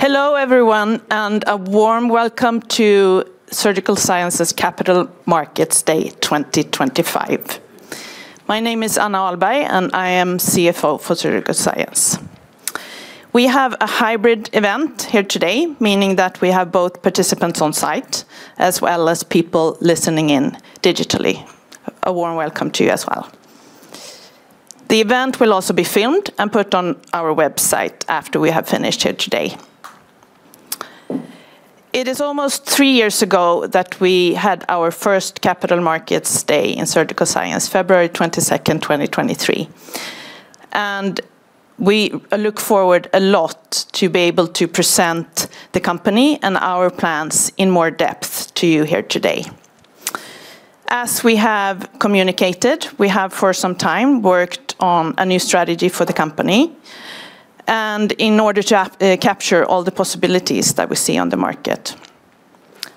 Hello everyone, and a warm welcome to Surgical Science's Capital Markets Day 2025. My name is Anna Ahlberg, and I am CFO for Surgical Science. We have a hybrid event here today, meaning that we have both participants on site as well as people listening in digitally. A warm welcome to you as well. The event will also be filmed and put on our website after we have finished here today. It is almost three years ago that we had our first Capital Markets Day in Surgical Science, February 22nd, 2023, and we look forward a lot to be able to present the company and our plans in more depth to you here today. As we have communicated, we have for some time worked on a new strategy for the company and in order to capture all the possibilities that we see on the market.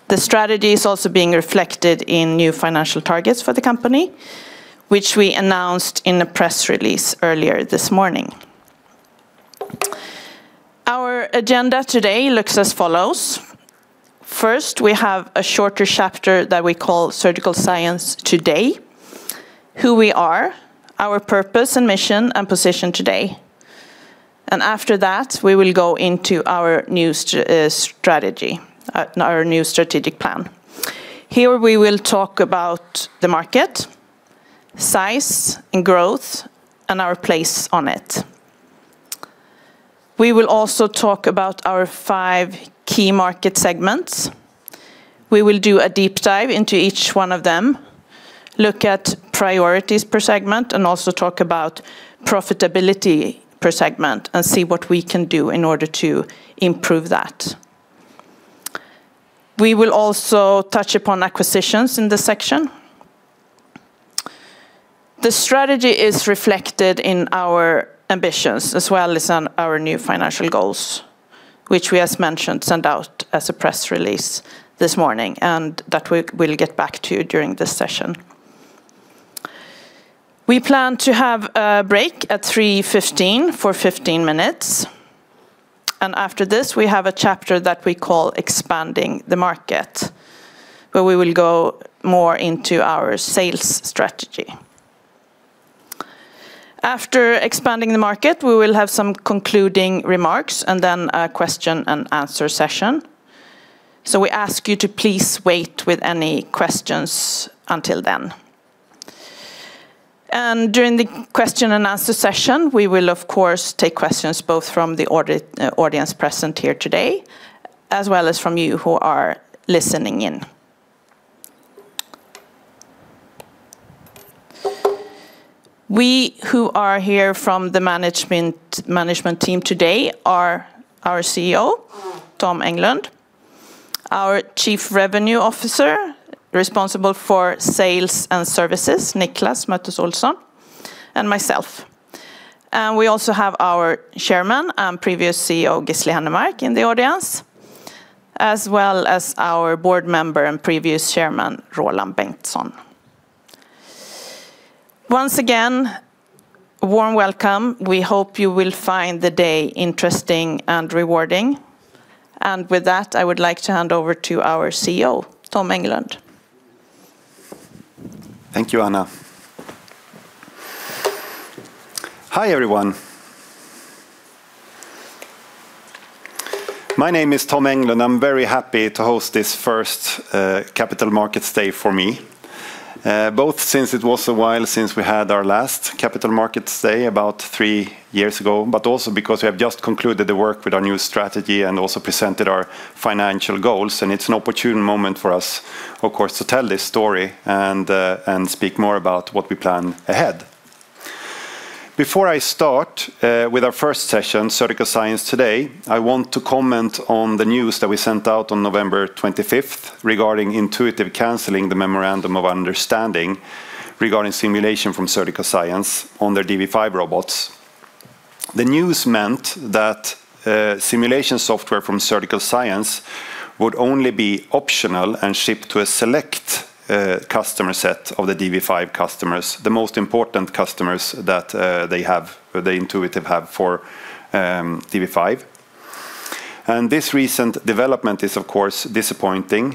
The strategy is also being reflected in new financial targets for the company, which we announced in a press release earlier this morning. Our agenda today looks as follows. First, we have a shorter chapter that we call Surgical Science Today: Who we are, our purpose and mission, and position today, and after that, we will go into our new strategy, our new strategic plan. Here we will talk about the market, size and growth, and our place on it. We will also talk about our five key market segments. We will do a deep dive into each one of them, look at priorities per segment, and also talk about profitability per segment and see what we can do in order to improve that. We will also touch upon acquisitions in this section. The strategy is reflected in our ambitions as well as our new financial goals, which we as mentioned sent out as a press release this morning and that we will get back to you during this session. We plan to have a break at 3:15 P.M. for 15 minutes. And after this, we have a chapter that we call Expanding the Market, where we will go more into our sales strategy. After expanding the market, we will have some concluding remarks and then a question and answer session. So we ask you to please wait with any questions until then. And during the question and answer session, we will of course take questions both from the audience present here today as well as from you who are listening in. We who are here from the management team today are our CEO, Tom Englund, our Chief Revenue Officer responsible for sales and services, Niclas Olsson, and myself. And we also have our Chairman and previous CEO, Gisli Hennermark, in the audience, as well as our Board member and previous Chairman, Roland Bengtsson. Once again, warm welcome. We hope you will find the day interesting and rewarding. And with that, I would like to hand over to our CEO, Tom Englund. Thank you, Anna. Hi everyone. My name is Tom Englund. I'm very happy to host this first Capital Markets Day for me, both since it was a while since we had our last Capital Markets Day about three years ago, but also because we have just concluded the work with our new strategy and also presented our financial goals. It's an opportune moment for us, of course, to tell this story and speak more about what we plan ahead. Before I start with our first session, Surgical Science Today, I want to comment on the news that we sent out on November 25th regarding Intuitive canceling the Memorandum of Understanding regarding simulation from Surgical Science on their dV5 robots. The news meant that simulation software from Surgical Science would only be optional and shipped to a select customer set of the dV5 customers, the most important customers that they have, the Intuitive have for dV5, and this recent development is of course disappointing,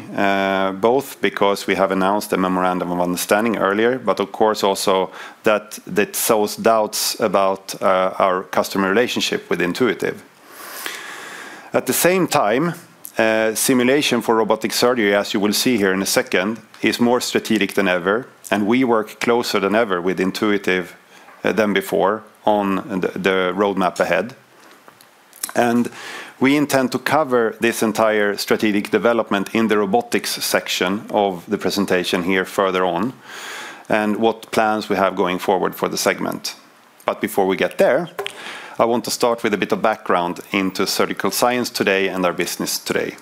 both because we have announced a Memorandum of Understanding earlier, but of course also that it sows doubts about our customer relationship with Intuitive. At the same time, simulation for robotic surgery, as you will see here in a second, is more strategic than ever, and we work closer than ever with Intuitive than before on the roadmap ahead, and we intend to cover this entire strategic development in the robotics section of the presentation here further on and what plans we have going forward for the segment. But before we get there, I want to start with a bit of background into Surgical Science today and our business today.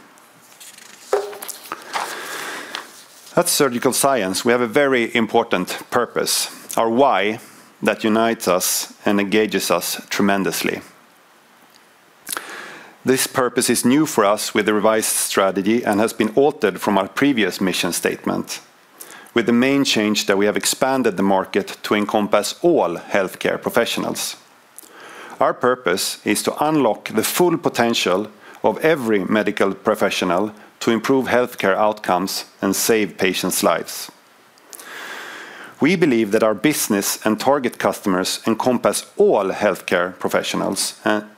At Surgical Science, we have a very important purpose, our why that unites us and engages us tremendously. This purpose is new for us with the revised strategy and has been altered from our previous mission statement, with the main change that we have expanded the market to encompass all healthcare professionals. Our purpose is to unlock the full potential of every medical professional to improve healthcare outcomes and save patients' lives. We believe that our business and target customers encompass all healthcare professionals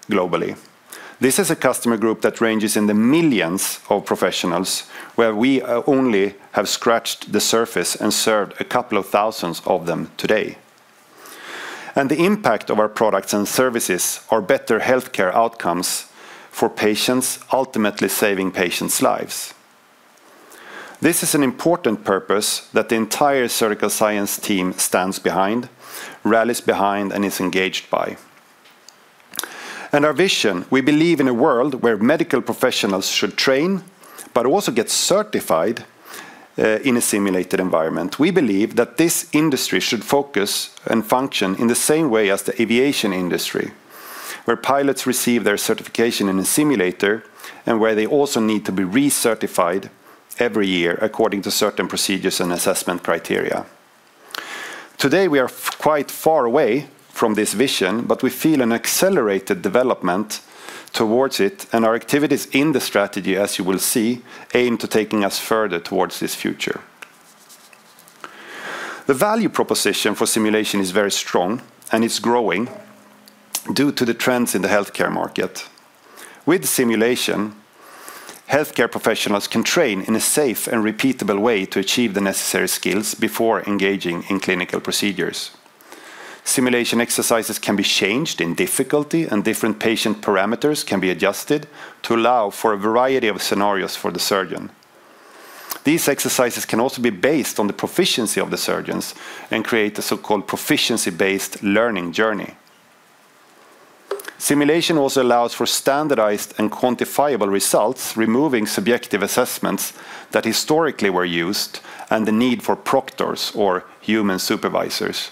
globally. This is a customer group that ranges in the millions of professionals where we only have scratched the surface and served a couple of thousands of them today. The impact of our products and services are better healthcare outcomes for patients, ultimately saving patients' lives. This is an important purpose that the entire Surgical Science team stands behind, rallies behind, and is engaged by. Our vision, we believe in a world where medical professionals should train, but also get certified in a simulated environment. We believe that this industry should focus and function in the same way as the aviation industry, where pilots receive their certification in a simulator and where they also need to be recertified every year according to certain procedures and assessment criteria. Today, we are quite far away from this vision, but we feel an accelerated development towards it, and our activities in the strategy, as you will see, aim to take us further towards this future. The value proposition for simulation is very strong and is growing due to the trends in the healthcare market. With simulation, healthcare professionals can train in a safe and repeatable way to achieve the necessary skills before engaging in clinical procedures. Simulation exercises can be changed in difficulty, and different patient parameters can be adjusted to allow for a variety of scenarios for the surgeon. These exercises can also be based on the proficiency of the surgeons and create a so-called proficiency-based learning journey. Simulation also allows for standardized and quantifiable results, removing subjective assessments that historically were used and the need for proctors or human supervisors.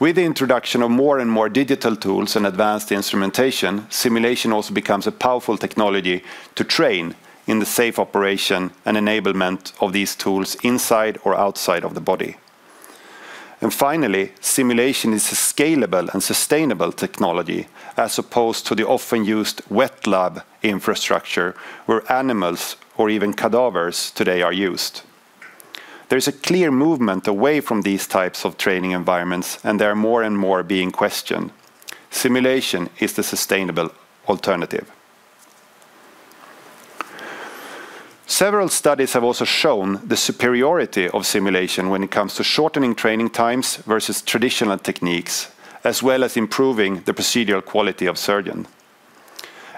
With the introduction of more and more digital tools and advanced instrumentation, simulation also becomes a powerful technology to train in the safe operation and enablement of these tools inside or outside of the body. And finally, simulation is a scalable and sustainable technology as opposed to the often used wet lab infrastructure where animals or even cadavers today are used. There is a clear movement away from these types of training environments, and they are more and more being questioned. Simulation is the sustainable alternative. Several studies have also shown the superiority of simulation when it comes to shortening training times versus traditional techniques, as well as improving the procedural quality of surgeons.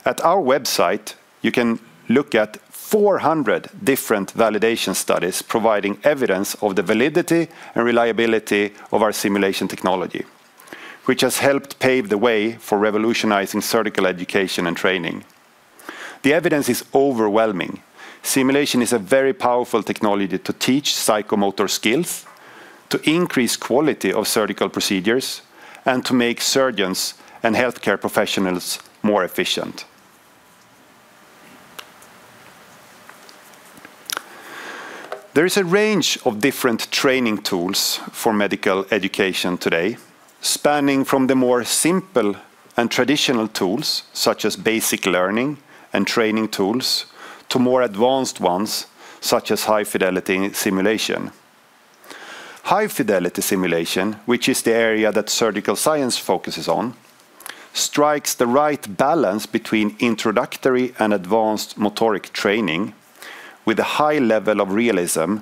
At our website, you can look at 400 different validation studies providing evidence of the validity and reliability of our simulation technology, which has helped pave the way for revolutionizing surgical education and training. The evidence is overwhelming. Simulation is a very powerful technology to teach psychomotor skills, to increase the quality of surgical procedures, and to make surgeons and healthcare professionals more efficient. There is a range of different training tools for medical education today, spanning from the more simple and traditional tools, such as basic learning and training tools, to more advanced ones, such as high-fidelity simulation. High-fidelity simulation, which is the area that Surgical Science focuses on, strikes the right balance between introductory and advanced motoric training with a high level of realism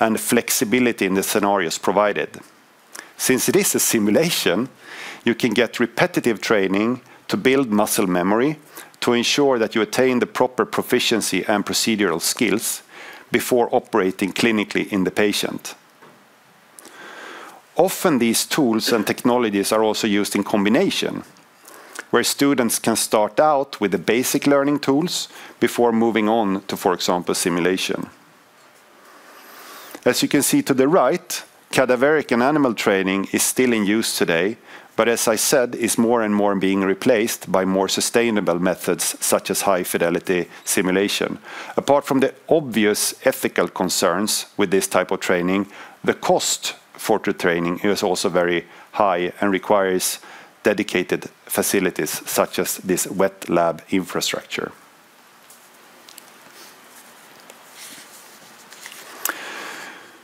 and flexibility in the scenarios provided. Since it is a simulation, you can get repetitive training to build muscle memory to ensure that you attain the proper proficiency and procedural skills before operating clinically in the patient. Often, these tools and technologies are also used in combination, where students can start out with the basic learning tools before moving on to, for example, simulation. As you can see to the right, cadaveric and animal training is still in use today, but as I said, is more and more being replaced by more sustainable methods, such as high-fidelity simulation. Apart from the obvious ethical concerns with this type of training, the cost for training is also very high and requires dedicated facilities, such as this wet lab infrastructure.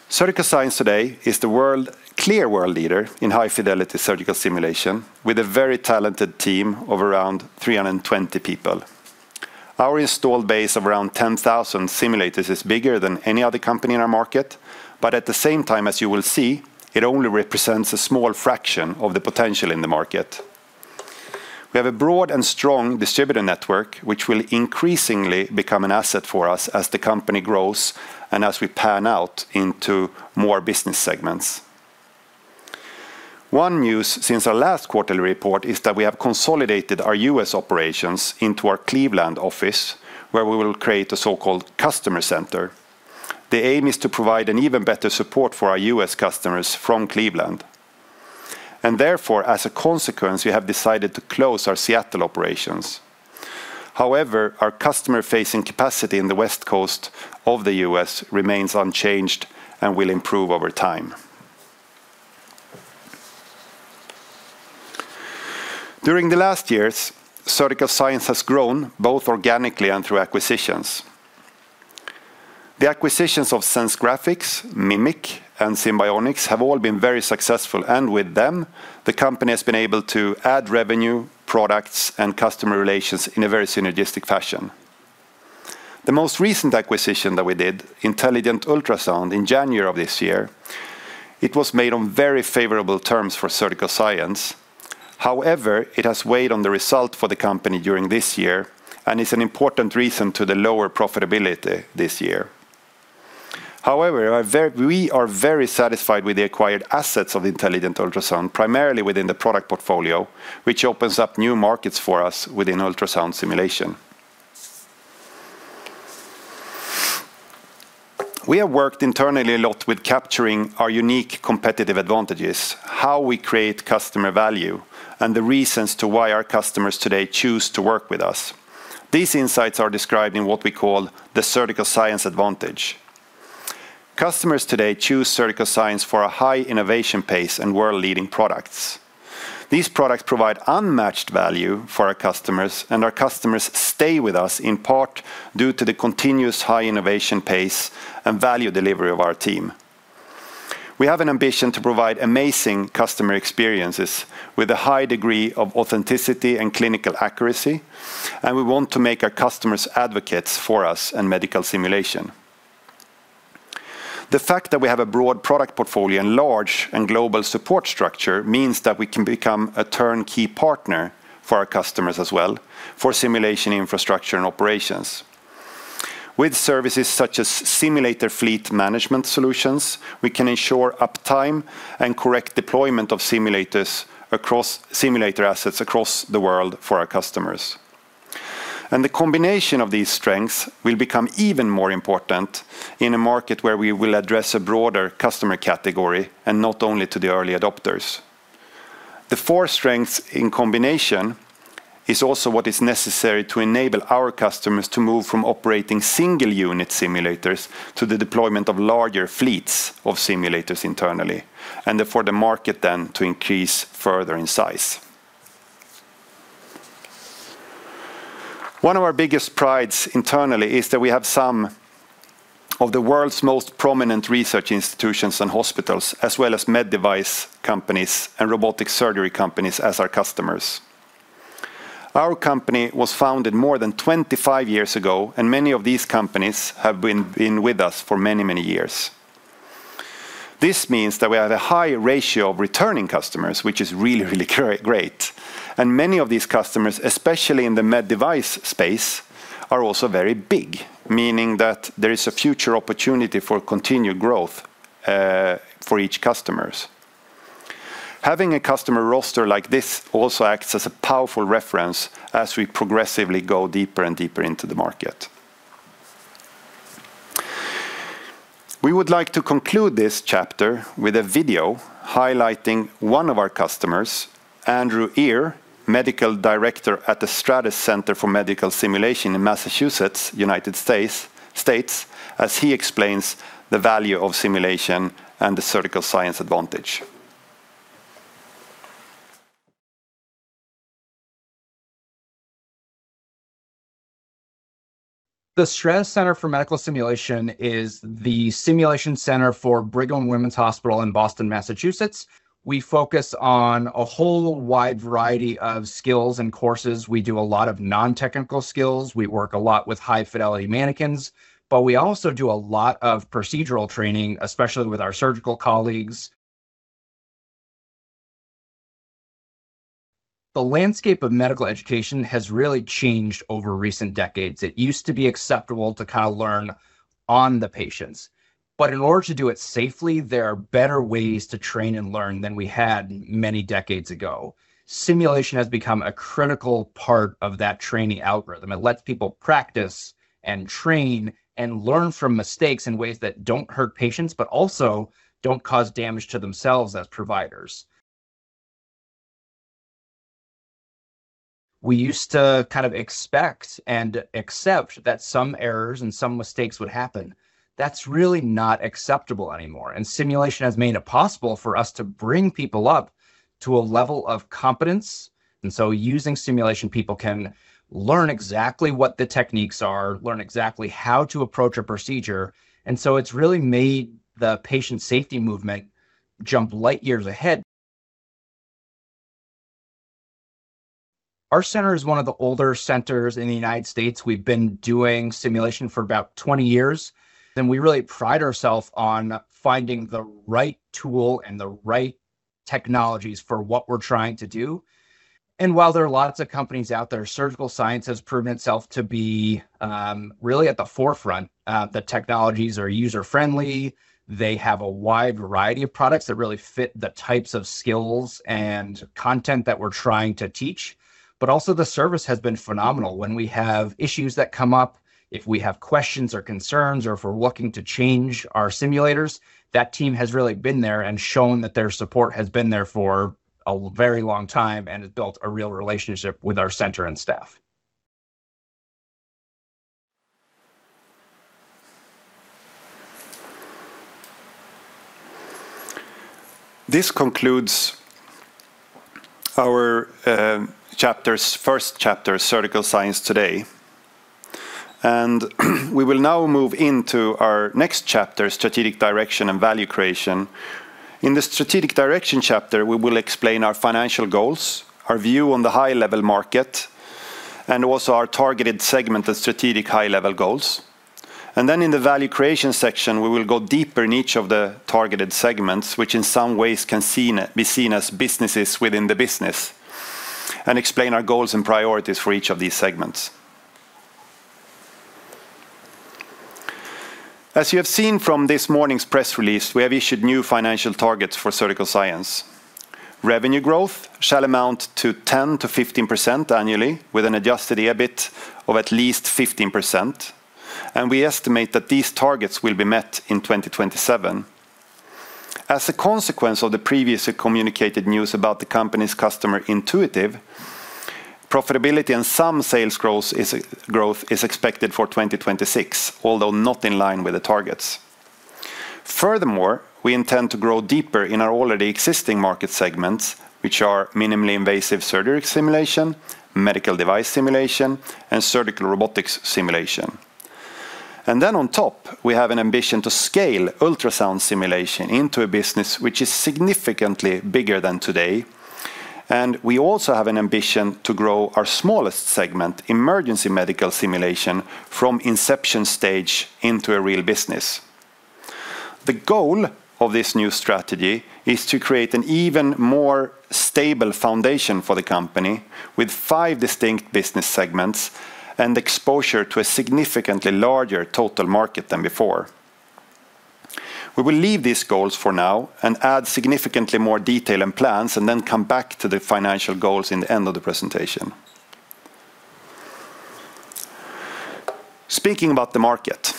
Surgical Science today is the clear world leader in high-fidelity surgical simulation with a very talented team of around 320 people. Our installed base of around 10,000 simulators is bigger than any other company in our market, but at the same time, as you will see, it only represents a small fraction of the potential in the market. We have a broad and strong distributor network, which will increasingly become an asset for us as the company grows and as we pan out into more business segments. One news since our last quarterly report is that we have consolidated our U.S. operations into our Cleveland office, where we will create a so-called customer center. The aim is to provide an even better support for our U.S. customers from Cleveland, and therefore, as a consequence, we have decided to close our Seattle operations. However, our customer-facing capacity in the West Coast of the U.S. remains unchanged and will improve over time. During the last years, Surgical Science has grown both organically and through acquisitions. The acquisitions of SenseGraphics, Mimic, and Simbionix have all been very successful, and with them, the company has been able to add revenue, products, and customer relations in a very synergistic fashion. The most recent acquisition that we did, Intelligent Ultrasound, in January of this year, it was made on very favorable terms for Surgical Science. However, it has weighed on the result for the company during this year and is an important reason for the lower profitability this year. However, we are very satisfied with the acquired assets of Intelligent Ultrasound, primarily within the product portfolio, which opens up new markets for us within ultrasound simulation. We have worked internally a lot with capturing our unique competitive advantages, how we create customer value, and the reasons why our customers today choose to work with us. These insights are described in what we call the Surgical Science Advantage. Customers today choose Surgical Science for a high innovation pace and world-leading products. These products provide unmatched value for our customers, and our customers stay with us in part due to the continuous high innovation pace and value delivery of our team. We have an ambition to provide amazing customer experiences with a high degree of authenticity and clinical accuracy, and we want to make our customers advocates for us and medical simulation. The fact that we have a broad product portfolio and large global support structure means that we can become a turnkey partner for our customers as well for simulation infrastructure and operations. With services such as simulator fleet management solutions, we can ensure uptime and correct deployment of simulators across simulator assets across the world for our customers, and the combination of these strengths will become even more important in a market where we will address a broader customer category and not only to the early adopters. The four strengths in combination is also what is necessary to enable our customers to move from operating single unit simulators to the deployment of larger fleets of simulators internally, and therefore the market then to increase further in size. One of our biggest prides internally is that we have some of the world's most prominent research institutions and hospitals, as well as med device companies and robotic surgery companies as our customers. Our company was founded more than 25 years ago, and many of these companies have been with us for many, many years. This means that we have a high ratio of returning customers, which is really, really great. And many of these customers, especially in the med device space, are also very big, meaning that there is a future opportunity for continued growth for each customer. Having a customer roster like this also acts as a powerful reference as we progressively go deeper and deeper into the market. We would like to conclude this chapter with a video highlighting one of our customers, Andrew Eyre, Medical Director at the STRATUS Center for Medical Simulation in Massachusetts, United States, as he explains the value of simulation and the Surgical Science Advantage. The STRATUS Center for Medical Simulation is the simulation center for Brigham and Women's Hospital in Boston, Massachusetts. We focus on a whole wide variety of skills and courses. We do a lot of non-technical skills. We work a lot with high-fidelity mannequins, but we also do a lot of procedural training, especially with our surgical colleagues. The landscape of medical education has really changed over recent decades. It used to be acceptable to kind of learn on the patients, but in order to do it safely, there are better ways to train and learn than we had many decades ago. Simulation has become a critical part of that training algorithm. It lets people practice and train and learn from mistakes in ways that don't hurt patients, but also don't cause damage to themselves as providers. We used to kind of expect and accept that some errors and some mistakes would happen. That's really not acceptable anymore. And simulation has made it possible for us to bring people up to a level of competence. And so using simulation, people can learn exactly what the techniques are, learn exactly how to approach a procedure. And so it's really made the patient safety movement jump light years ahead. Our center is one of the older centers in the United States. We've been doing simulation for about 20 years, and we really pride ourselves on finding the right tool and the right technologies for what we're trying to do, and while there are lots of companies out there, Surgical Science has proven itself to be really at the forefront. The technologies are user-friendly. They have a wide variety of products that really fit the types of skills and content that we're trying to teach, but also, the service has been phenomenal. When we have issues that come up, if we have questions or concerns, or if we're looking to change our simulators, that team has really been there and shown that their support has been there for a very long time and has built a real relationship with our center and staff. This concludes our first chapter, Surgical Science Today. We will now move into our next chapter, Strategic Direction and Value Creation. In the Strategic Direction chapter, we will explain our financial goals, our view on the high-level market, and also our targeted segment and strategic high-level goals. And then in the Value Creation section, we will go deeper in each of the targeted segments, which in some ways can be seen as businesses within the business, and explain our goals and priorities for each of these segments. As you have seen from this morning's press release, we have issued new financial targets for Surgical Science. Revenue growth shall amount to 10%-15% annually, with an Adjusted EBIT of at least 15%. We estimate that these targets will be met in 2027. As a consequence of the previously communicated news about the company's customer Intuitive, profitability and some sales growth is expected for 2026, although not in line with the targets. Furthermore, we intend to grow deeper in our already existing market segments, which are minimally invasive surgical simulation, medical device simulation, and surgical robotics simulation, and then on top, we have an ambition to scale ultrasound simulation into a business which is significantly bigger than today, and we also have an ambition to grow our smallest segment, emergency medical simulation, from inception stage into a real business. The goal of this new strategy is to create an even more stable foundation for the company with five distinct business segments and exposure to a significantly larger total market than before. We will leave these goals for now and add significantly more detail and plans, and then come back to the financial goals in the end of the presentation. Speaking about the market,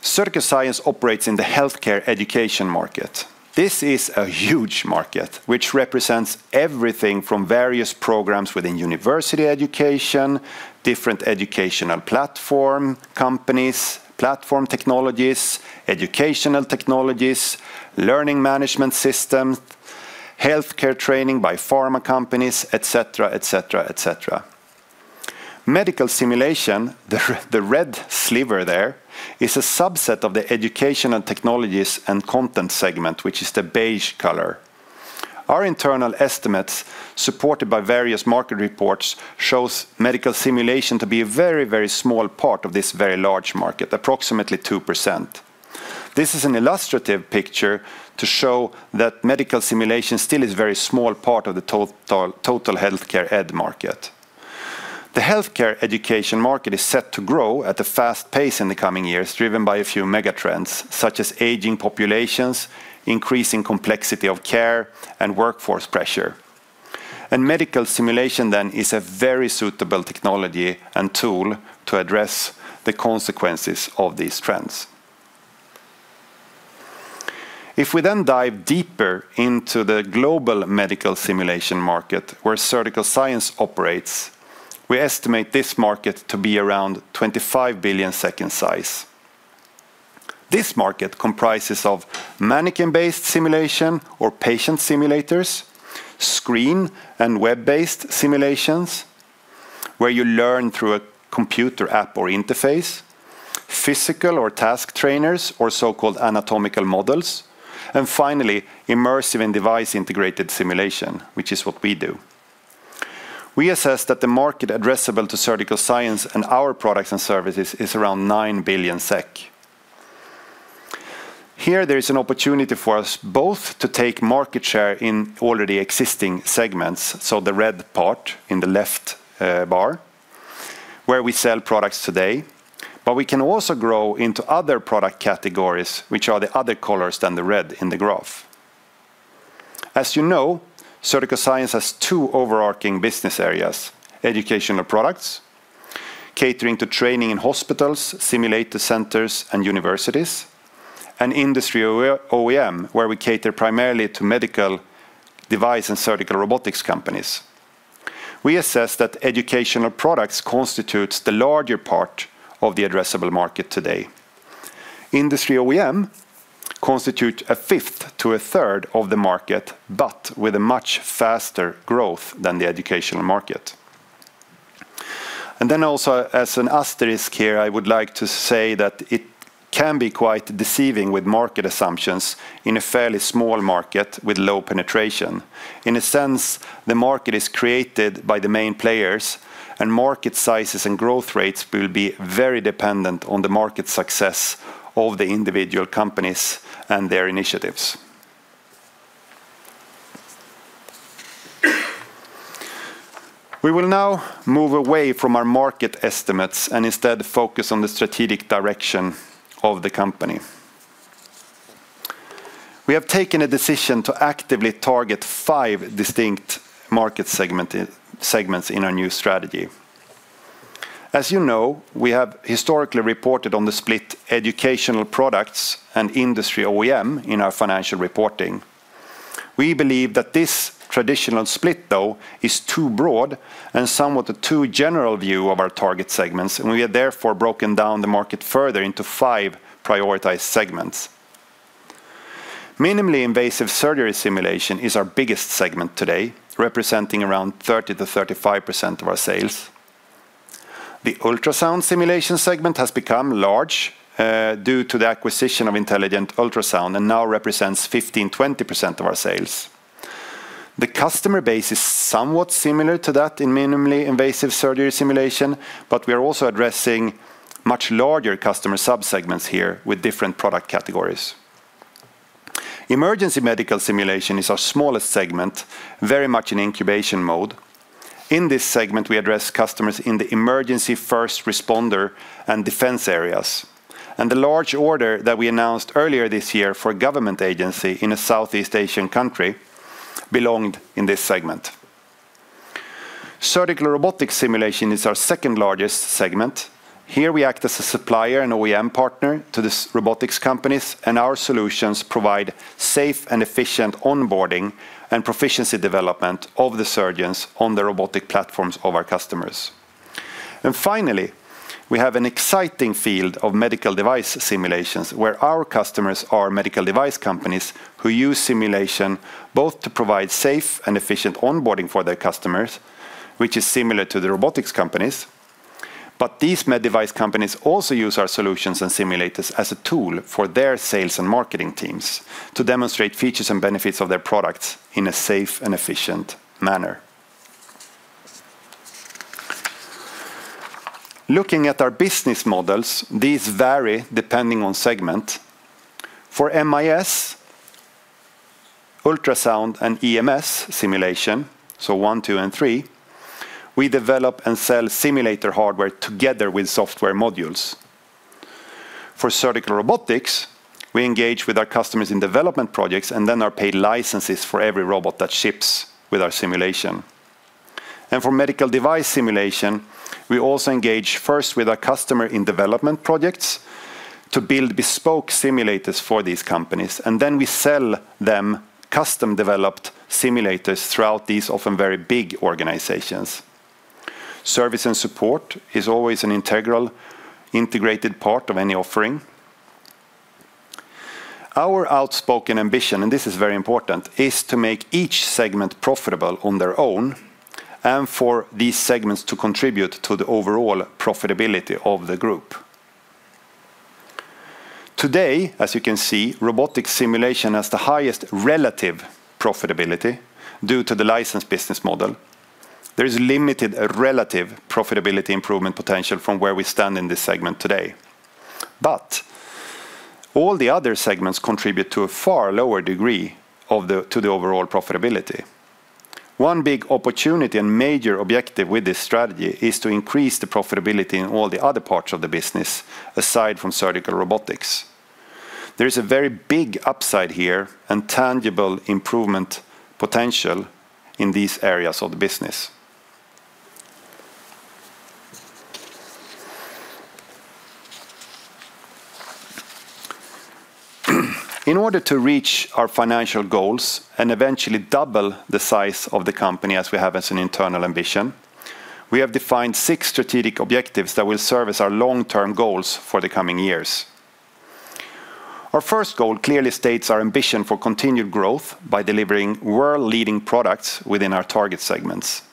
Surgical Science operates in the healthcare education market. This is a huge market, which represents everything from various programs within university education, different educational platform companies, platform technologies, educational technologies, learning management systems, healthcare training by pharma companies, et cetera, et cetera, et cetera. Medical simulation, the red sliver there, is a subset of the educational technologies and content segment, which is the beige color. Our internal estimates, supported by various market reports, show medical simulation to be a very, very small part of this very large market, approximately 2%. This is an illustrative picture to show that medical simulation still is a very small part of the total healthcare Ed market. The healthcare education market is set to grow at a fast pace in the coming years, driven by a few mega trends, such as aging populations, increasing complexity of care, and workforce pressure. And medical simulation then is a very suitable technology and tool to address the consequences of these trends. If we then dive deeper into the global medical simulation market, where Surgical Science operates, we estimate this market to be around 25 billion size. This market comprises of mannequin-based simulation or patient simulators, screen and web-based simulations, where you learn through a computer app or interface, physical or task trainers or so-called anatomical models, and finally, immersive and device-integrated simulation, which is what we do. We assess that the market addressable to Surgical Science and our products and services is around 9 billion SEK. Here, there is an opportunity for us both to take market share in already existing segments, so the red part in the left bar, where we sell products today, but we can also grow into other product categories, which are the other colors than the red in the graph. As you know, Surgical Science has two overarching business areas: Educational Products, catering to training in hospitals, simulator centers, and universities, and Industry OEM, where we cater primarily to medical device and surgical robotics companies. We assess that Educational Products constitute the larger part of the addressable market today. Industry OEM constitutes a fifth to a third of the market, but with a much faster growth than the educational market. And then also, as an asterisk here, I would like to say that it can be quite deceiving with market assumptions in a fairly small market with low penetration. In a sense, the market is created by the main players, and market sizes and growth rates will be very dependent on the market success of the individual companies and their initiatives. We will now move away from our market estimates and instead focus on the strategic direction of the company. We have taken a decision to actively target five distinct market segments in our new strategy. As you know, we have historically reported on the split Educational Products and Industry OEM in our financial reporting. We believe that this traditional split, though, is too broad and somewhat a too general view of our target segments, and we have therefore broken down the market further into five prioritized segments. Minimally invasive surgery simulation is our biggest segment today, representing around 30%-35% of our sales. The ultrasound simulation segment has become large due to the acquisition of Intelligent Ultrasound and now represents 15%-20% of our sales. The customer base is somewhat similar to that in minimally invasive surgery simulation, but we are also addressing much larger customer subsegments here with different product categories. Emergency medical simulation is our smallest segment, very much in incubation mode. In this segment, we address customers in the emergency first responder and defense areas. And the large order that we announced earlier this year for a government agency in a Southeast Asian country belonged in this segment. Surgical robotics simulation is our second largest segment. Here we act as a supplier and OEM partner to the robotics companies, and our solutions provide safe and efficient onboarding and proficiency development of the surgeons on the robotic platforms of our customers. And finally, we have an exciting field of medical device simulations, where our customers are medical device companies who use simulation both to provide safe and efficient onboarding for their customers, which is similar to the robotics companies. But these med device companies also use our solutions and simulators as a tool for their sales and marketing teams to demonstrate features and benefits of their products in a safe and efficient manner. Looking at our business models, these vary depending on segment. For MIS, ultrasound, and EMS simulation, so one, two, and three, we develop and sell simulator hardware together with software modules. For surgical robotics, we engage with our customers in development projects and then our paid licenses for every robot that ships with our simulation. And for medical device simulation, we also engage first with our customer in development projects to build bespoke simulators for these companies, and then we sell them custom-developed simulators throughout these often very big organizations. Service and support is always an integral part of any offering. Our outspoken ambition, and this is very important, is to make each segment profitable on their own and for these segments to contribute to the overall profitability of the group. Today, as you can see, robotics simulation has the highest relative profitability due to the license business model. There is limited relative profitability improvement potential from where we stand in this segment today. but all the other segments contribute to a far lower degree to the overall profitability. One big opportunity and major objective with this strategy is to increase the profitability in all the other parts of the business aside from surgical robotics. There is a very big upside here and tangible improvement potential in these areas of the business. In order to reach our financial goals and eventually double the size of the company as we have as an internal ambition, we have defined six strategic objectives that will serve as our long-term goals for the coming years. Our first goal clearly states our ambition for continued growth by delivering world-leading products within our target segments.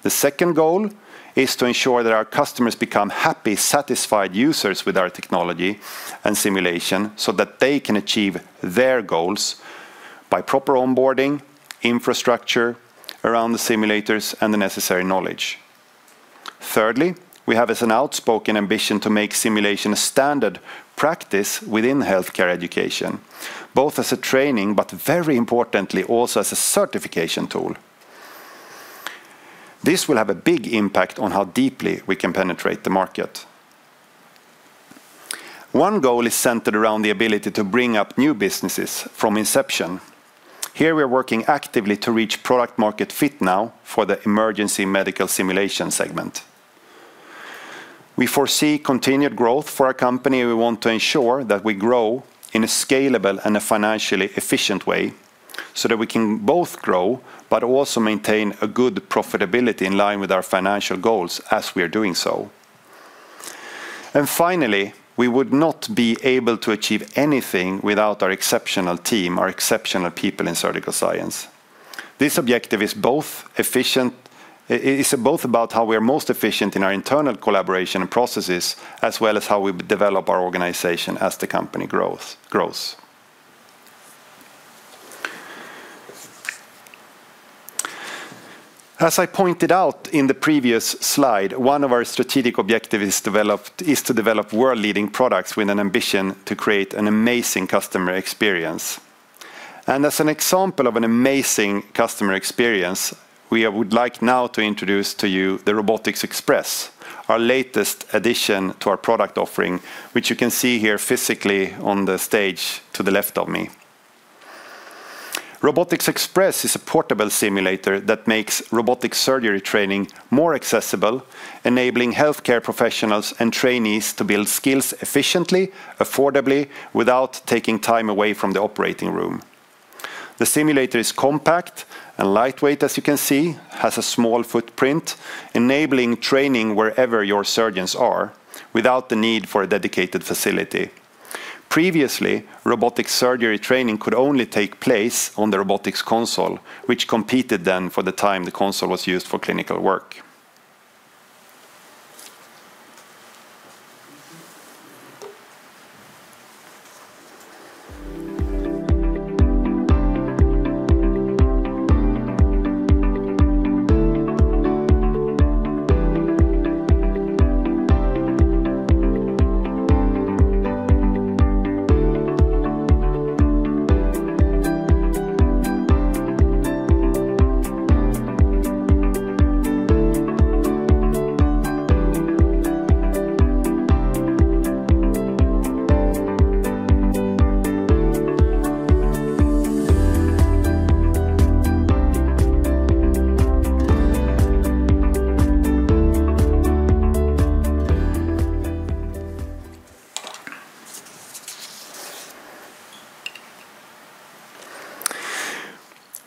The second goal is to ensure that our customers become happy, satisfied users with our technology and simulation so that they can achieve their goals by proper onboarding, infrastructure around the simulators, and the necessary knowledge. Thirdly, we have as an outspoken ambition to make simulation a standard practice within healthcare education, both as a training, but very importantly, also as a certification tool. This will have a big impact on how deeply we can penetrate the market. One goal is centered around the ability to bring up new businesses from inception. Here we are working actively to reach product-market fit now for the emergency medical simulation segment. We foresee continued growth for our company. We want to ensure that we grow in a scalable and a financially efficient way so that we can both grow, but also maintain a good profitability in line with our financial goals as we are doing so. And finally, we would not be able to achieve anything without our exceptional team, our exceptional people in Surgical Science. This objective is both efficient. It is both about how we are most efficient in our internal collaboration and processes, as well as how we develop our organization as the company grows. As I pointed out in the previous slide, one of our strategic objectives is to develop world-leading products with an ambition to create an amazing customer experience, and as an example of an amazing customer experience, we would like now to introduce to you the RobotiX Express, our latest addition to our product offering, which you can see here physically on the stage to the left of me. RobotiX Express is a portable simulator that makes robotic surgery training more accessible, enabling healthcare professionals and trainees to build skills efficiently, affordably, without taking time away from the operating room. The simulator is compact and lightweight, as you can see, has a small footprint, enabling training wherever your surgeons are without the need for a dedicated facility. Previously, robotic surgery training could only take place on the robotics console, which competed then for the time the console was used for clinical work.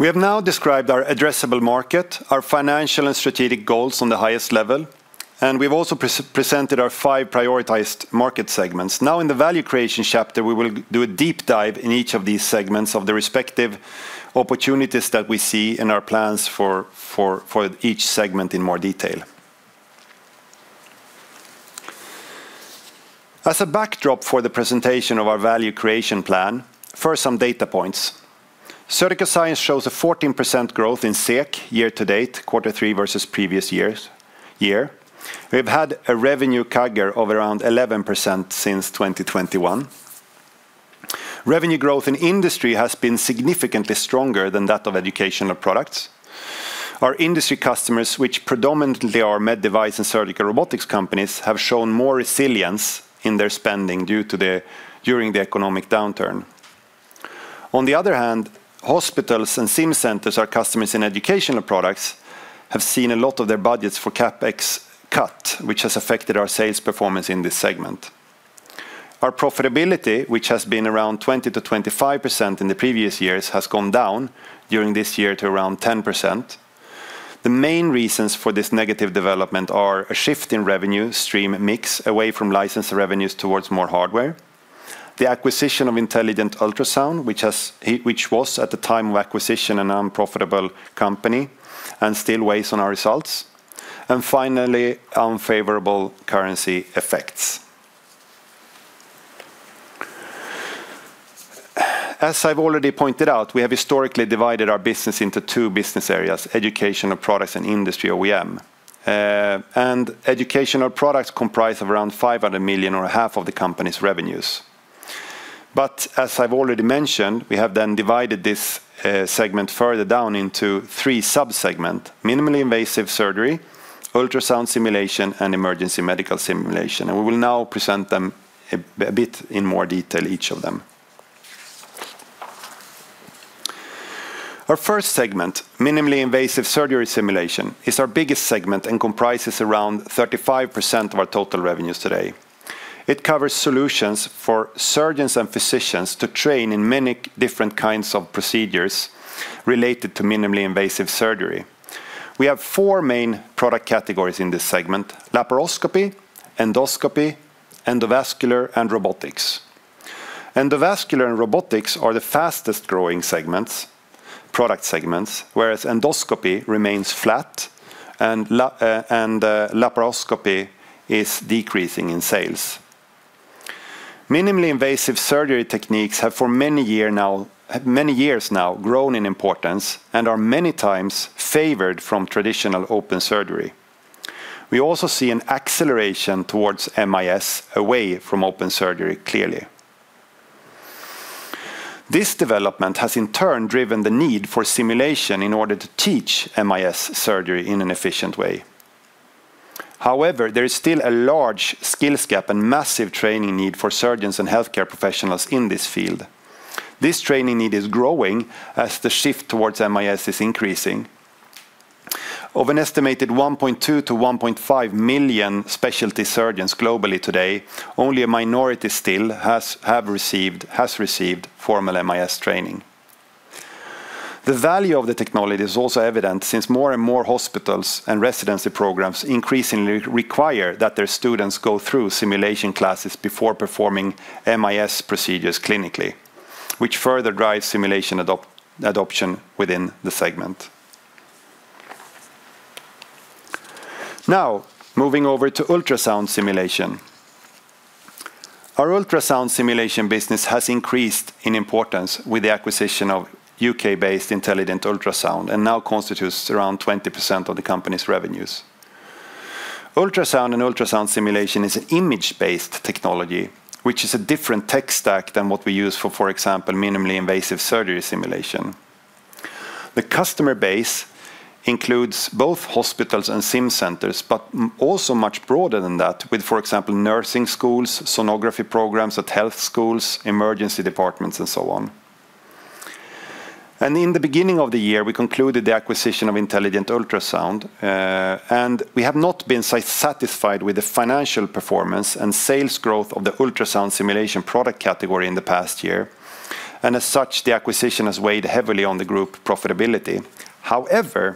We have now described our addressable market, our financial and strategic goals on the highest level, and we've also presented our five prioritized market segments. Now, in the value creation chapter, we will do a deep dive in each of these segments of the respective opportunities that we see in our plans for each segment in more detail. As a backdrop for the presentation of our value creation plan, first, some data points. Surgical Science shows a 14% growth in SEK year-to-date, quarter three versus previous year. We have had a revenue CAGR of around 11% since 2021. Revenue growth in industry has been significantly stronger than that of Educational Products. Our industry customers, which predominantly are med device and surgical robotics companies, have shown more resilience in their spending during the economic downturn. On the other hand, hospitals and sim centers, our customers in Educational Products, have seen a lot of their budgets for CapEx cut, which has affected our sales performance in this segment. Our profitability, which has been around 20%-25% in the previous years, has gone down during this year to around 10%. The main reasons for this negative development are a shift in revenue stream mix away from licensed revenues towards more hardware, the acquisition of Intelligent Ultrasound, which was at the time of acquisition a non-profitable company and still weighs on our results, and finally, unfavorable currency effects. As I've already pointed out, we have historically divided our business into two business areas: Educational Products and Industry OEM. And Educational Products comprise of around 500 million or half of the company's revenues. But as I've already mentioned, we have then divided this segment further down into three subsegments: minimally invasive surgery, ultrasound simulation, and emergency medical simulation. And we will now present them a bit in more detail, each of them. Our first segment, minimally invasive surgery simulation, is our biggest segment and comprises around 35% of our total revenues today. It covers solutions for surgeons and physicians to train in many different kinds of procedures related to minimally invasive surgery. We have four main product categories in this segment: laparoscopy, endoscopy, endovascular, and robotics. Endovascular and robotics are the fastest-growing product segments, whereas endoscopy remains flat and laparoscopy is decreasing in sales. Minimally invasive surgery techniques have for many years now grown in importance and are many times favored from traditional open surgery. We also see an acceleration towards MIS away from open surgery clearly. This development has, in turn, driven the need for simulation in order to teach MIS surgery in an efficient way. However, there is still a large skills gap and massive training need for surgeons and healthcare professionals in this field. This training need is growing as the shift towards MIS is increasing. Of an estimated 1.2-1.5 million specialty surgeons globally today, only a minority still have received formal MIS training. The value of the technology is also evident since more and more hospitals and residency programs increasingly require that their students go through simulation classes before performing MIS procedures clinically, which further drives simulation adoption within the segment. Now, moving over to ultrasound simulation. Our ultrasound simulation business has increased in importance with the acquisition of U.K.-based Intelligent Ultrasound and now constitutes around 20% of the company's revenues. Ultrasound and ultrasound simulation is an image-based technology, which is a different tech stack than what we use for, for example, minimally invasive surgery simulation. The customer base includes both hospitals and sim centers, but also much broader than that, with, for example, nursing schools, sonography programs at health schools, emergency departments, and so on. In the beginning of the year, we concluded the acquisition of Intelligent Ultrasound, and we have not been satisfied with the financial performance and sales growth of the ultrasound simulation product category in the past year. As such, the acquisition has weighed heavily on the group profitability. However,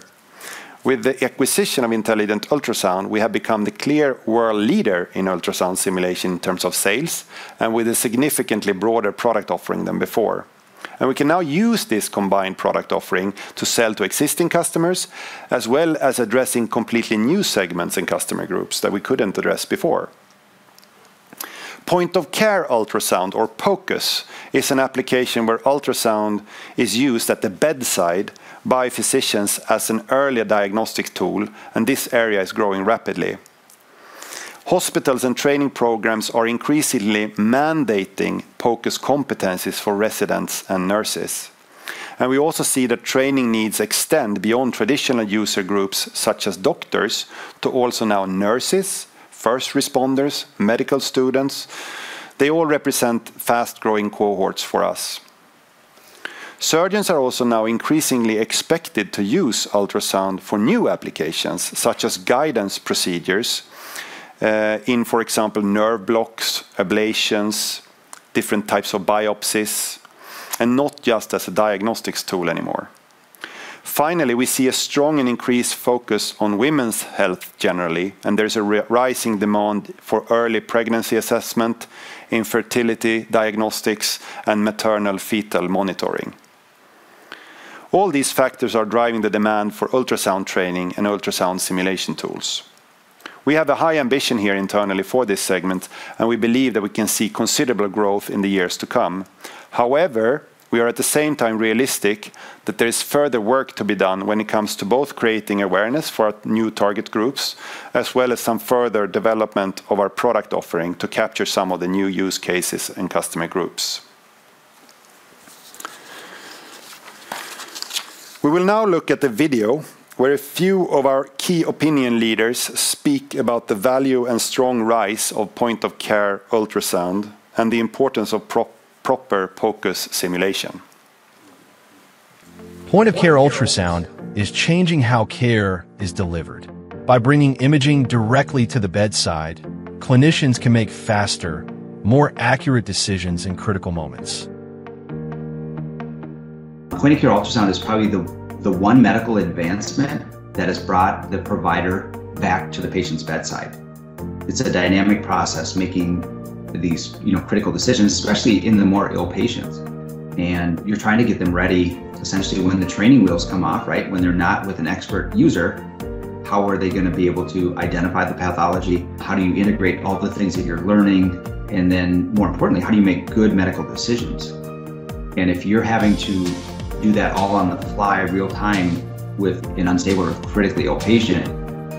with the acquisition of Intelligent Ultrasound, we have become the clear world leader in ultrasound simulation in terms of sales and with a significantly broader product offering than before. We can now use this combined product offering to sell to existing customers, as well as addressing completely new segments and customer groups that we couldn't address before. Point-of-care ultrasound, or POCUS, is an application where ultrasound is used at the bedside by physicians as an early diagnostic tool, and this area is growing rapidly. Hospitals and training programs are increasingly mandating POCUS competencies for residents and nurses. And we also see that training needs extend beyond traditional user groups, such as doctors, to also now nurses, first responders, medical students. They all represent fast-growing cohorts for us. Surgeons are also now increasingly expected to use ultrasound for new applications, such as guidance procedures in, for example, nerve blocks, ablations, different types of biopsies, and not just as a diagnostics tool anymore. Finally, we see a strong and increased focus on women's health generally, and there is a rising demand for early pregnancy assessment, infertility diagnostics, and maternal-fetal monitoring. All these factors are driving the demand for ultrasound training and ultrasound simulation tools. We have a high ambition here internally for this segment, and we believe that we can see considerable growth in the years to come. However, we are at the same time realistic that there is further work to be done when it comes to both creating awareness for our new target groups, as well as some further development of our product offering to capture some of the new use cases and customer groups. We will now look at a video where a few of our key opinion leaders speak about the value and strong rise of point-of-care ultrasound and the importance of proper POCUS simulation. Point-of-care ultrasound is changing how care is delivered. By bringing imaging directly to the bedside, clinicians can make faster, more accurate decisions in critical moments. Point-of-care ultrasound is probably the one medical advancement that has brought the provider back to the patient's bedside. It's a dynamic process making these critical decisions, especially in the more ill patients. You're trying to get them ready essentially when the training wheels come off, right? When they're not with an expert user, how are they going to be able to identify the pathology? How do you integrate all the things that you're learning? And then, more importantly, how do you make good medical decisions? And if you're having to do that all on the fly, real-time, with an unstable or critically ill patient,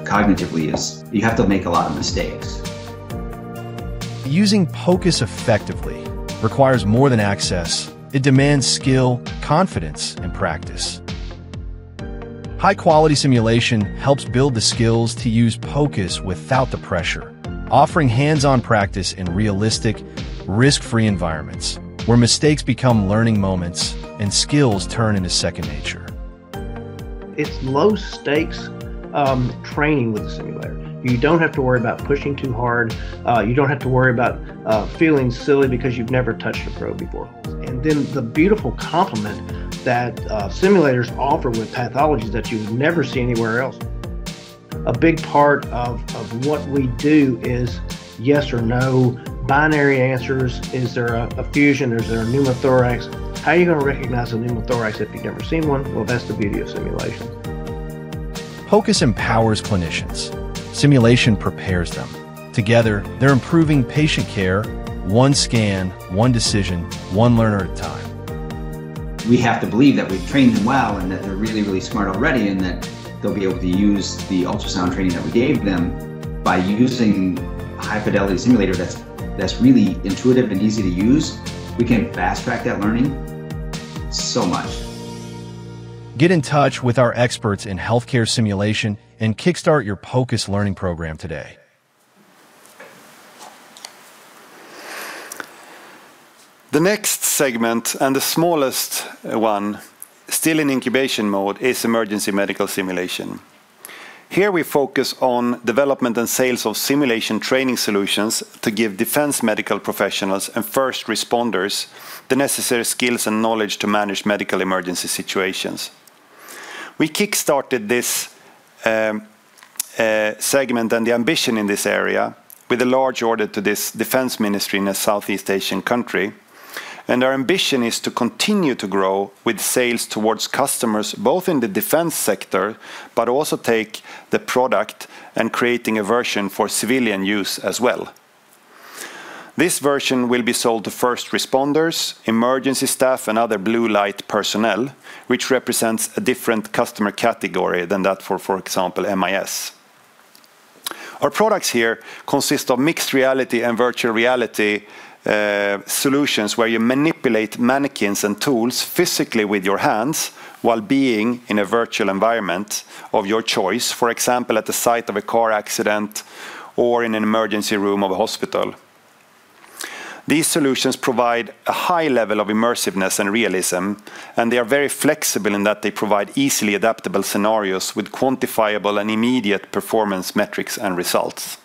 cognitively, you have to make a lot of mistakes. Using POCUS effectively requires more than access. It demands skill, confidence, and practice. High-quality simulation helps build the skills to use POCUS without the pressure, offering hands-on practice in realistic, risk-free environments where mistakes become learning moments and skills turn into second nature. It's low-stakes training with the simulator. You don't have to worry about pushing too hard. You don't have to worry about feeling silly because you've never touched a probe before, and then the beautiful complement that simulators offer with pathologies that you would never see anywhere else. A big part of what we do is yes or no binary answers. Is there an effusion? Is there a pneumothorax? How are you going to recognize a pneumothorax if you've never seen one, well, that's the beauty of simulation. POCUS empowers clinicians. Simulation prepares them. Together, they're improving patient care, one scan, one decision, one learner at a time. We have to believe that we've trained them well and that they're really, really smart already and that they'll be able to use the ultrasound training that we gave them by using a high-fidelity simulator that's really intuitive and easy to use. We can fast-track that learning so much. Get in touch with our experts in healthcare simulation and kickstart your POCUS learning program today. The next segment, and the smallest one, still in incubation mode, is emergency medical simulation. Here we focus on development and sales of simulation training solutions to give defense medical professionals and first responders the necessary skills and knowledge to manage medical emergency situations. We kickstarted this segment and the ambition in this area with a large order to this defense ministry in a Southeast Asian country, and our ambition is to continue to grow with sales towards customers, both in the defense sector, but also take the product and create a version for civilian use as well. This version will be sold to first responders, emergency staff, and other blue light personnel, which represents a different customer category than that for, for example, MIS. Our products here consist of mixed reality and virtual reality solutions where you manipulate mannequins and tools physically with your hands while being in a virtual environment of your choice, for example, at the site of a car accident or in an emergency room of a hospital. These solutions provide a high level of immersiveness and realism, and they are very flexible in that they provide easily adaptable scenarios with quantifiable and immediate performance metrics and results.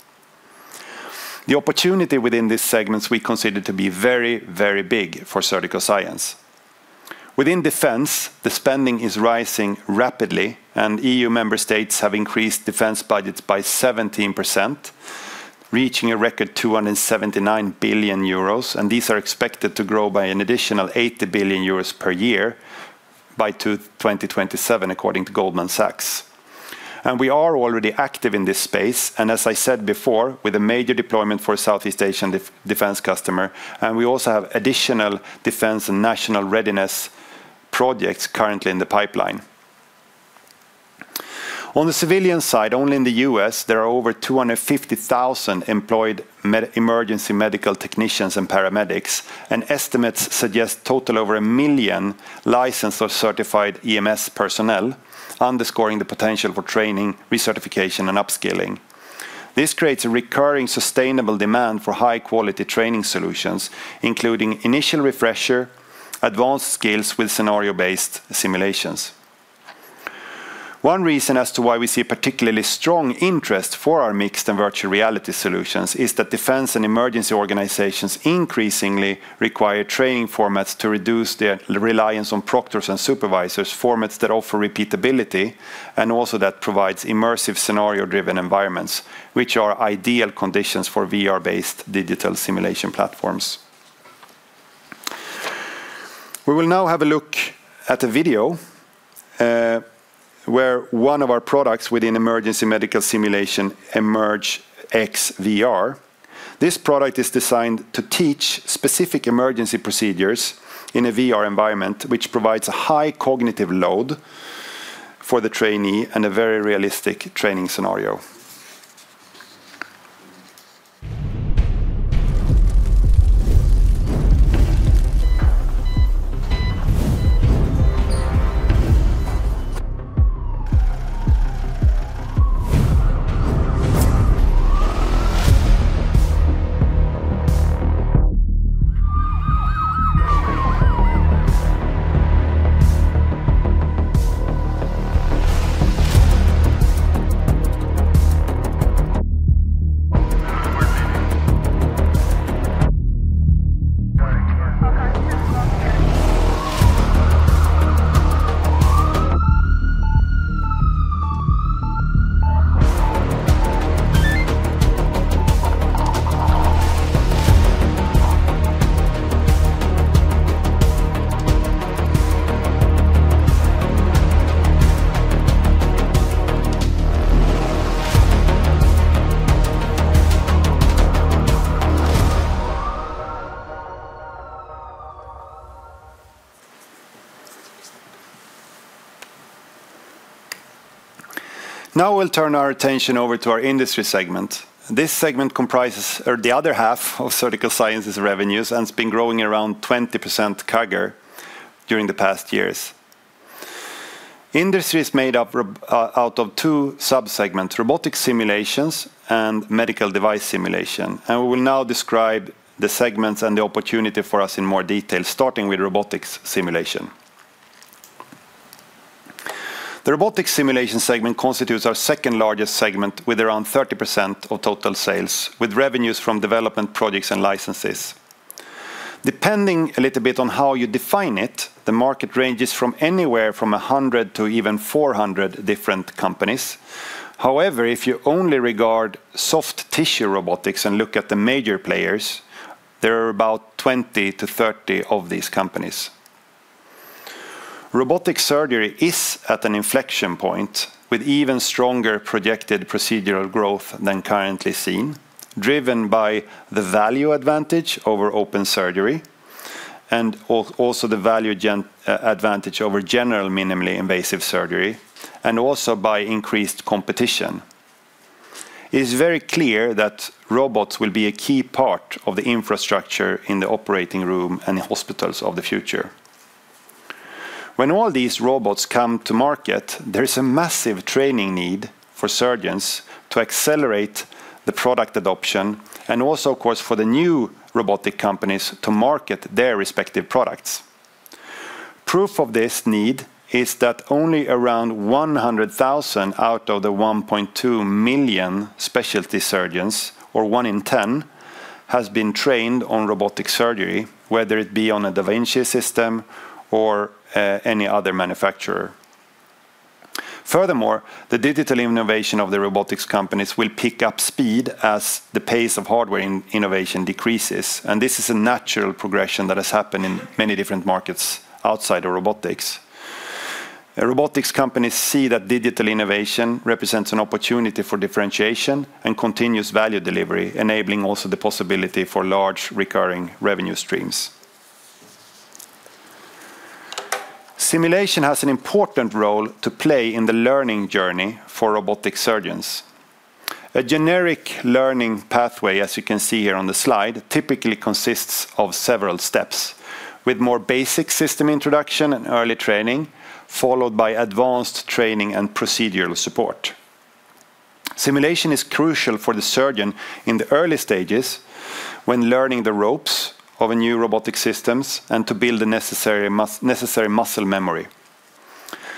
The opportunity within these segments we consider to be very, very big for Surgical Science. Within defense, the spending is rising rapidly, and EU member states have increased defense budgets by 17%, reaching a record 279 billion euros, and these are expected to grow by an additional 80 billion euros per year by 2027, according to Goldman Sachs. We are already active in this space, and as I said before, with a major deployment for a Southeast Asian defense customer, and we also have additional defense and national readiness projects currently in the pipeline. On the civilian side, only in the U.S., there are over 250,000 employed emergency medical technicians and paramedics, and estimates suggest total over a million licensed or certified EMS personnel, underscoring the potential for training, recertification, and upskilling. This creates a recurring sustainable demand for high-quality training solutions, including initial refresher, advanced skills with scenario-based simulations. One reason as to why we see a particularly strong interest for our mixed and virtual reality solutions is that defense and emergency organizations increasingly require training formats to reduce their reliance on proctors and supervisors, formats that offer repeatability and also that provide immersive scenario-driven environments, which are ideal conditions for VR-based digital simulation platforms. We will now have a look at a video where one of our products within emergency medical simulation: Emerge XVR. This product is designed to teach specific emergency procedures in a VR environment, which provides a high cognitive load for the trainee and a very realistic training scenario. Now we'll turn our attention over to our industry segment. This segment comprises the other half of Surgical Science's revenues and has been growing around 20% CAGR during the past years. Industry is made up of two subsegments, robotic simulations and medical device simulation, and we will now describe the segments and the opportunity for us in more detail, starting with robotics simulation. The robotics simulation segment constitutes our second largest segment with around 30% of total sales, with revenues from development projects and licenses. Depending a little bit on how you define it, the market ranges from anywhere from 100-400 different companies. However, if you only regard soft tissue robotics and look at the major players, there are about 20-30 of these companies. Robotic surgery is at an inflection point with even stronger projected procedural growth than currently seen, driven by the value advantage over open surgery and also the value advantage over general minimally invasive surgery, and also by increased competition. It is very clear that robots will be a key part of the infrastructure in the operating room and in hospitals of the future. When all these robots come to market, there is a massive training need for surgeons to accelerate the product adoption and also, of course, for the new robotic companies to market their respective products. Proof of this need is that only around 100,000 out of the 1.2 million specialty surgeons, or one in ten, has been trained on robotic surgery, whether it be on a da Vinci system or any other manufacturer. Furthermore, the digital innovation of the robotics companies will pick up speed as the pace of hardware innovation decreases, and this is a natural progression that has happened in many different markets outside of robotics. Robotics companies see that digital innovation represents an opportunity for differentiation and continuous value delivery, enabling also the possibility for large recurring revenue streams. Simulation has an important role to play in the learning journey for robotic surgeons. A generic learning pathway, as you can see here on the slide, typically consists of several steps, with more basic system introduction and early training, followed by advanced training and procedural support. Simulation is crucial for the surgeon in the early stages when learning the ropes of a new robotic system and to build the necessary muscle memory.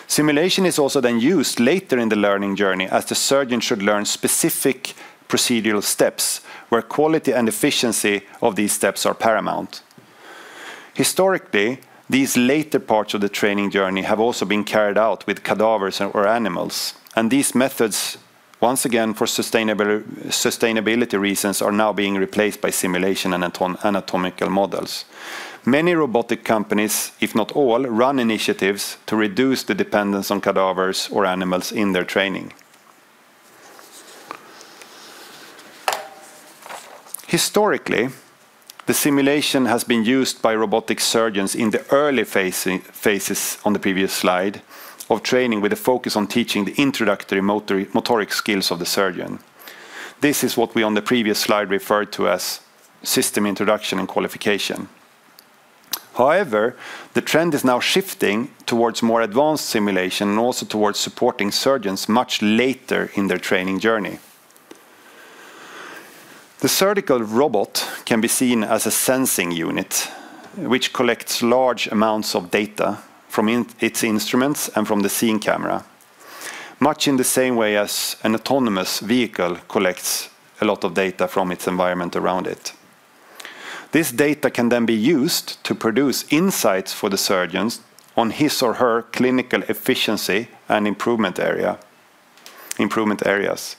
Simulation is also then used later in the learning journey as the surgeon should learn specific procedural steps where quality and efficiency of these steps are paramount. Historically, these later parts of the training journey have also been carried out with cadavers or animals, and these methods, once again for sustainability reasons, are now being replaced by simulation and anatomical models. Many robotic companies, if not all, run initiatives to reduce the dependence on cadavers or animals in their training. Historically, the simulation has been used by robotic surgeons in the early phases on the previous slide of training with a focus on teaching the introductory motoric skills of the surgeon. This is what we on the previous slide referred to as system introduction and qualification. However, the trend is now shifting towards more advanced simulation and also towards supporting surgeons much later in their training journey. The surgical robot can be seen as a sensing unit, which collects large amounts of data from its instruments and from the scene camera, much in the same way as an autonomous vehicle collects a lot of data from its environment around it. This data can then be used to produce insights for the surgeons on his or her clinical efficiency and improvement areas.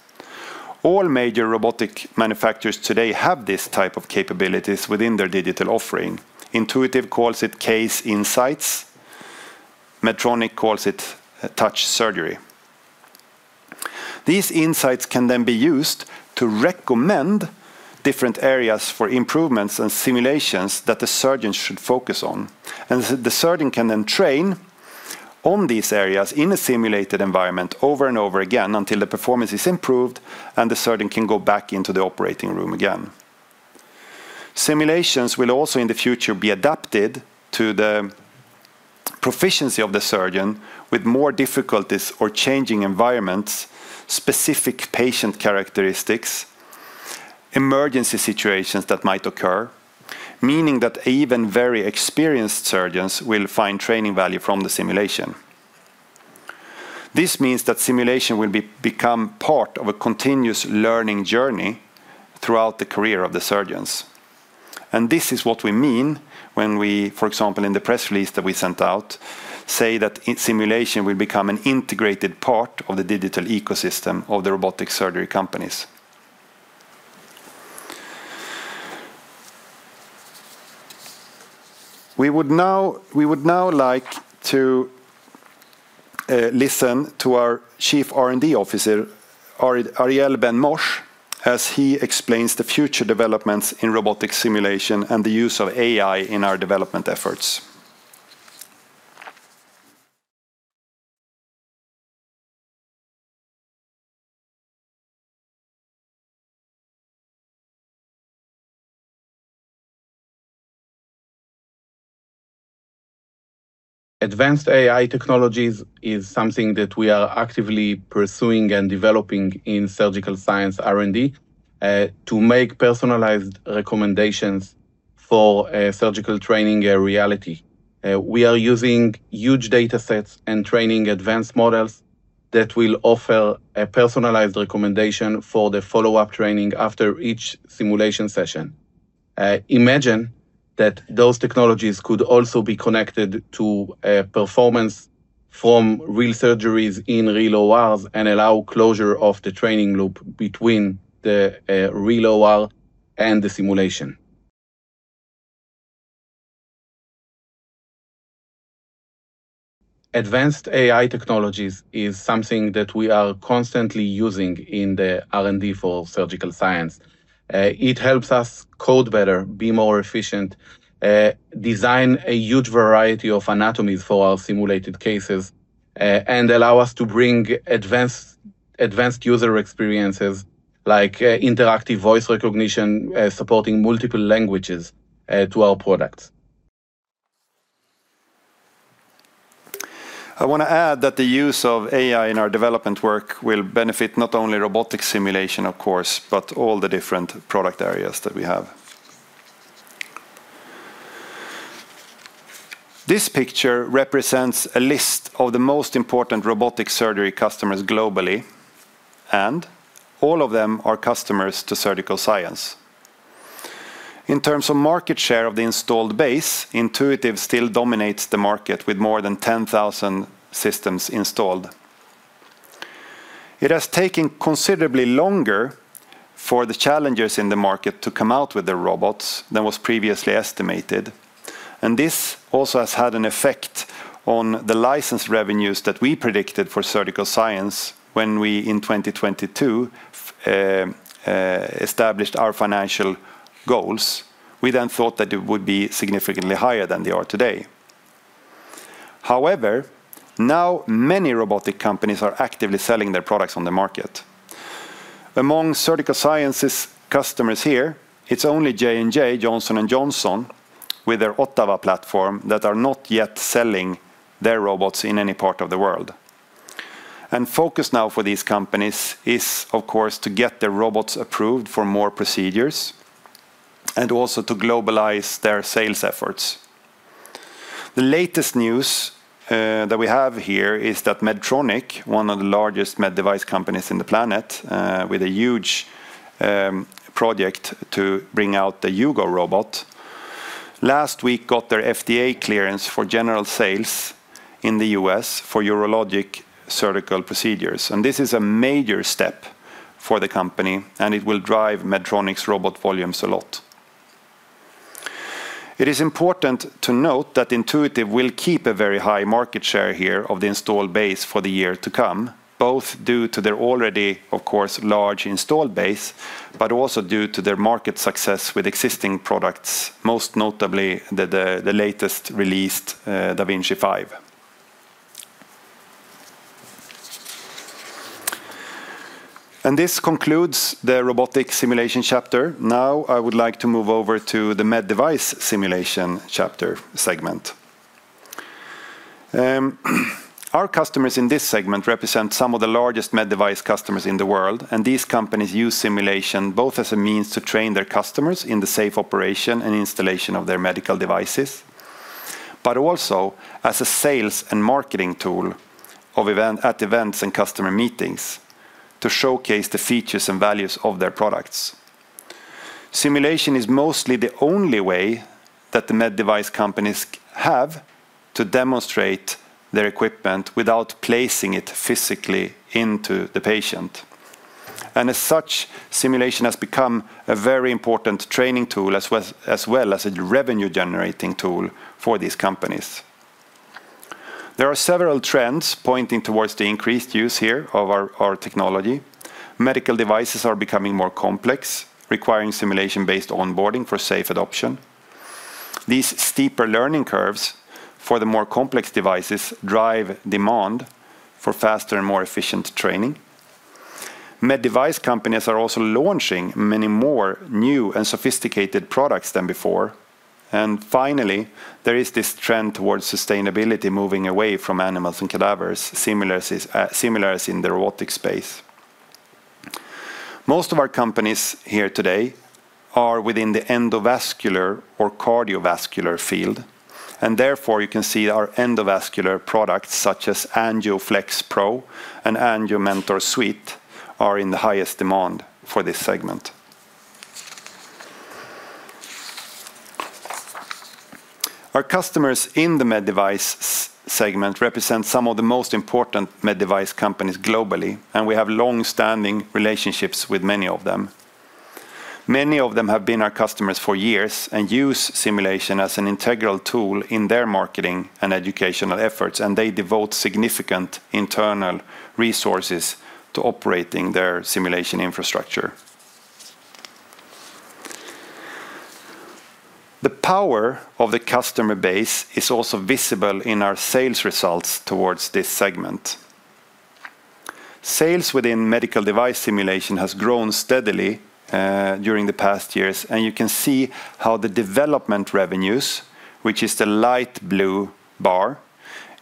All major robotic manufacturers today have this type of capabilities within their digital offering. Intuitive calls it Case Insights. Medtronic calls it Touch Surgery. These insights can then be used to recommend different areas for improvements and simulations that the surgeon should focus on, and the surgeon can then train on these areas in a simulated environment over and over again until the performance is improved and the surgeon can go back into the operating room again. Simulations will also in the future be adapted to the proficiency of the surgeon with more difficulties or changing environments, specific patient characteristics, emergency situations that might occur, meaning that even very experienced surgeons will find training value from the simulation. This means that simulation will become part of a continuous learning journey throughout the career of the surgeons, and this is what we mean when we, for example, in the press release that we sent out, say that simulation will become an integrated part of the digital ecosystem of the robotic surgery companies. We would now like to listen to our Chief R&D Officer, Ariel Ben Moshe, as he explains the future developments in robotic simulation and the use of AI in our development efforts. Advanced AI technologies is something that we are actively pursuing and developing in Surgical Science R&D to make personalized recommendations for surgical training a reality. We are using huge data sets and training advanced models that will offer a personalized recommendation for the follow-up training after each simulation session. Imagine that those technologies could also be connected to performance from real surgeries in real ORs and allow closure of the training loop between the real OR and the simulation. Advanced AI technologies is something that we are constantly using in the R&D for Surgical Science. It helps us code better, be more efficient, design a huge variety of anatomies for our simulated cases, and allow us to bring advanced user experiences like interactive voice recognition, supporting multiple languages to our products. I want to add that the use of AI in our development work will benefit not only robotic simulation, of course, but all the different product areas that we have. This picture represents a list of the most important robotic surgery customers globally, and all of them are customers to Surgical Science. In terms of market share of the installed base, Intuitive still dominates the market with more than 10,000 systems installed. It has taken considerably longer for the challengers in the market to come out with their robots than was previously estimated, and this also has had an effect on the license revenues that we predicted for Surgical Science when we, in 2022, established our financial goals. We then thought that it would be significantly higher than they are today. However, now many robotic companies are actively selling their products on the market. Among Surgical Science's customers here, it's only J&J, Johnson & Johnson with their OTTAVA platform that are not yet selling their robots in any part of the world, and focus now for these companies is, of course, to get their robots approved for more procedures and also to globalize their sales efforts. The latest news that we have here is that Medtronic, one of the largest med device companies in the planet, with a huge project to bring out the Hugo robot, last week got their FDA clearance for general sales in the U.S. for urologic surgical procedures. And this is a major step for the company, and it will drive Medtronic's robot volumes a lot. It is important to note that Intuitive will keep a very high market share here of the installed base for the year to come, both due to their already, of course, large installed base, but also due to their market success with existing products, most notably the latest released da Vinci 5. And this concludes the robotic simulation chapter. Now I would like to move over to the med device simulation chapter segment. Our customers in this segment represent some of the largest med device customers in the world, and these companies use simulation both as a means to train their customers in the safe operation and installation of their medical devices, but also as a sales and marketing tool at events and customer meetings to showcase the features and values of their products. Simulation is mostly the only way that the med device companies have to demonstrate their equipment without placing it physically into the patient, and as such, simulation has become a very important training tool as well as a revenue-generating tool for these companies. There are several trends pointing towards the increased use here of our technology. Medical devices are becoming more complex, requiring simulation-based onboarding for safe adoption. These steeper learning curves for the more complex devices drive demand for faster and more efficient training. Med device companies are also launching many more new and sophisticated products than before. And finally, there is this trend towards sustainability moving away from animals and cadavers, similar as in the robotic space. Most of our companies here today are within the endovascular or cardiovascular field, and therefore you can see our endovascular products such as ANGIO Flex Pro and ANGIO Mentor Suite are in the highest demand for this segment. Our customers in the med device segment represent some of the most important med device companies globally, and we have long-standing relationships with many of them. Many of them have been our customers for years and use simulation as an integral tool in their marketing and educational efforts, and they devote significant internal resources to operating their simulation infrastructure. The power of the customer base is also visible in our sales results towards this segment. Sales within medical device simulation has grown steadily during the past years, and you can see how the development revenues, which is the light blue bar,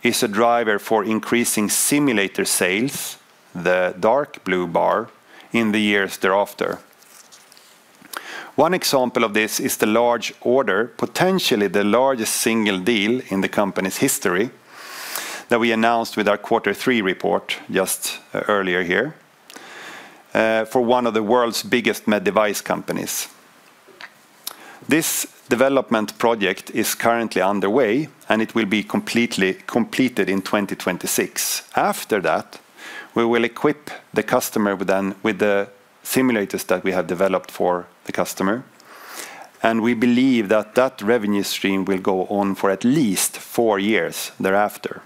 is a driver for increasing simulator sales, the dark blue bar, in the years thereafter. One example of this is the large order, potentially the largest single deal in the company's history that we announced with our Quarter Three report just earlier here for one of the world's biggest med device companies. This development project is currently underway, and it will be completely completed in 2026. After that, we will equip the customer with the simulators that we have developed for the customer, and we believe that that revenue stream will go on for at least four years thereafter.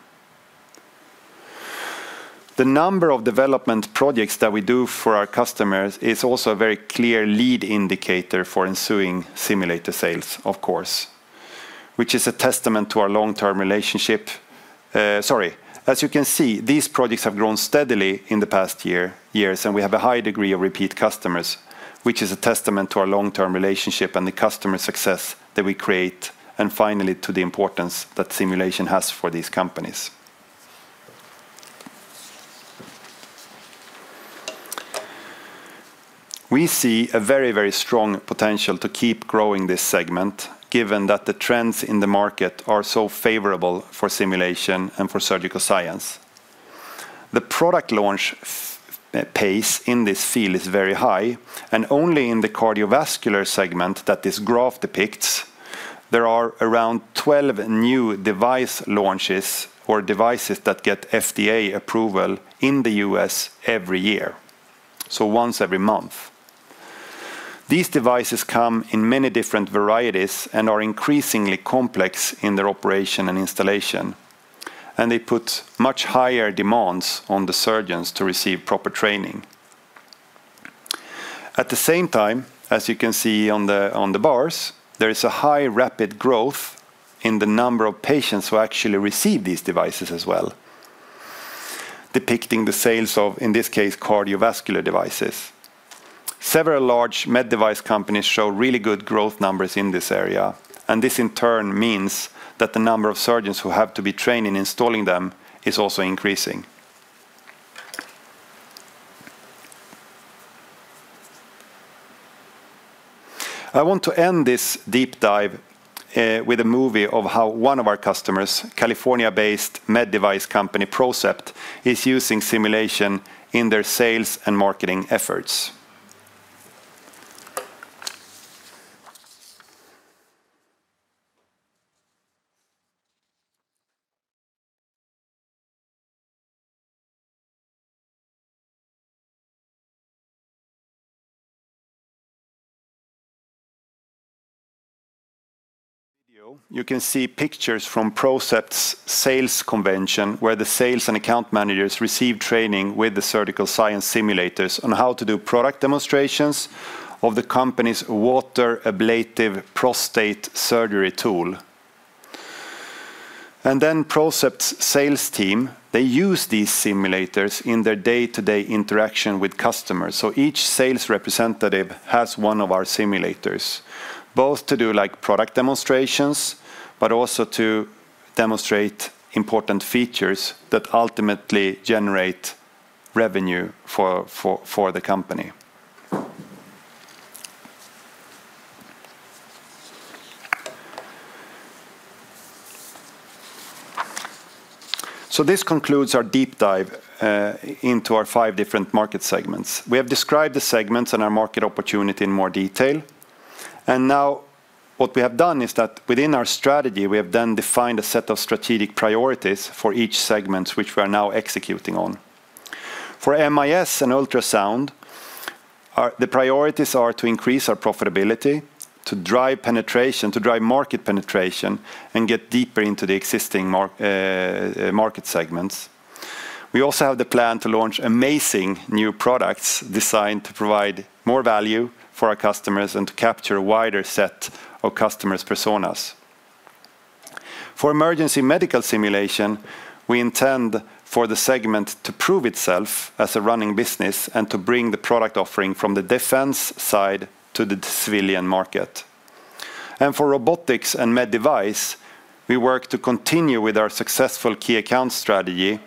The number of development projects that we do for our customers is also a very clear lead indicator for ensuing simulator sales, of course, which is a testament to our long-term relationship. Sorry. As you can see, these projects have grown steadily in the past years, and we have a high degree of repeat customers, which is a testament to our long-term relationship and the customer success that we create, and finally to the importance that simulation has for these companies. We see a very, very strong potential to keep growing this segment, given that the trends in the market are so favorable for simulation and for Surgical Science. The product launch pace in this field is very high, and only in the cardiovascular segment that this graph depicts, there are around 12 new device launches or devices that get FDA approval in the U.S. every year, so once every month. These devices come in many different varieties and are increasingly complex in their operation and installation, and they put much higher demands on the surgeons to receive proper training. At the same time, as you can see on the bars, there is a high rapid growth in the number of patients who actually receive these devices as well, depicting the sales of, in this case, cardiovascular devices. Several large med device companies show really good growth numbers in this area, and this in turn means that the number of surgeons who have to be trained in installing them is also increasing. I want to end this deep dive with a movie of how one of our customers, California-based med device company PROCEPT, is using simulation in their sales and marketing efforts. You can see pictures from PROCEPT's sales convention where the sales and account managers receive training with the Surgical Science simulators on how to do product demonstrations of the company's water ablative prostate surgery tool, and then PROCEPT's sales team, they use these simulators in their day-to-day interaction with customers, so each sales representative has one of our simulators, both to do product demonstrations, but also to demonstrate important features that ultimately generate revenue for the company. So this concludes our deep dive into our five different market segments. We have described the segments and our market opportunity in more detail. Now what we have done is that within our strategy, we have then defined a set of strategic priorities for each segment, which we are now executing on. For MIS and ultrasound, the priorities are to increase our profitability, to drive penetration, to drive market penetration, and get deeper into the existing market segments. We also have the plan to launch amazing new products designed to provide more value for our customers and to capture a wider set of customers' personas. For emergency medical simulation, we intend for the segment to prove itself as a running business and to bring the product offering from the defense side to the civilian market. For robotics and med device, we work to continue with our successful key account strategy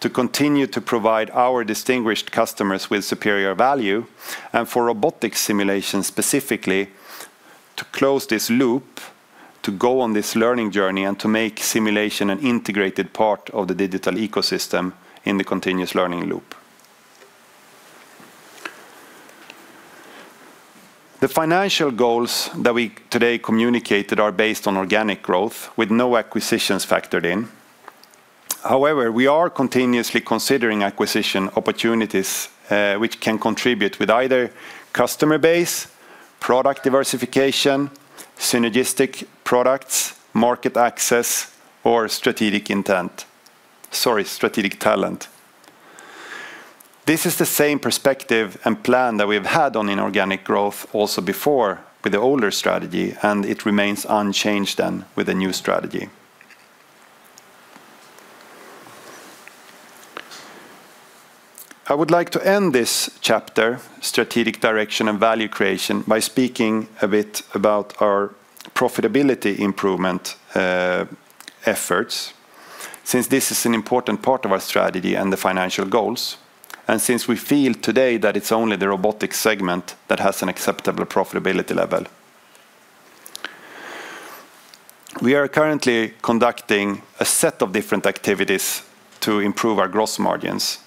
to continue to provide our distinguished customers with superior value. And for robotics simulation specifically, to close this loop, to go on this learning journey, and to make simulation an integrated part of the digital ecosystem in the continuous learning loop. The financial goals that we today communicated are based on organic growth with no acquisitions factored in. However, we are continuously considering acquisition opportunities which can contribute with either customer base, product diversification, synergistic products, market access, or strategic intent. Sorry, strategic talent. This is the same perspective and plan that we have had on inorganic growth also before with the older strategy, and it remains unchanged then with the new strategy. I would like to end this chapter, strategic direction and value creation, by speaking a bit about our profitability improvement efforts, since this is an important part of our strategy and the financial goals, and since we feel today that it's only the robotics segment that has an acceptable profitability level. We are currently conducting a set of different activities to improve our gross margins.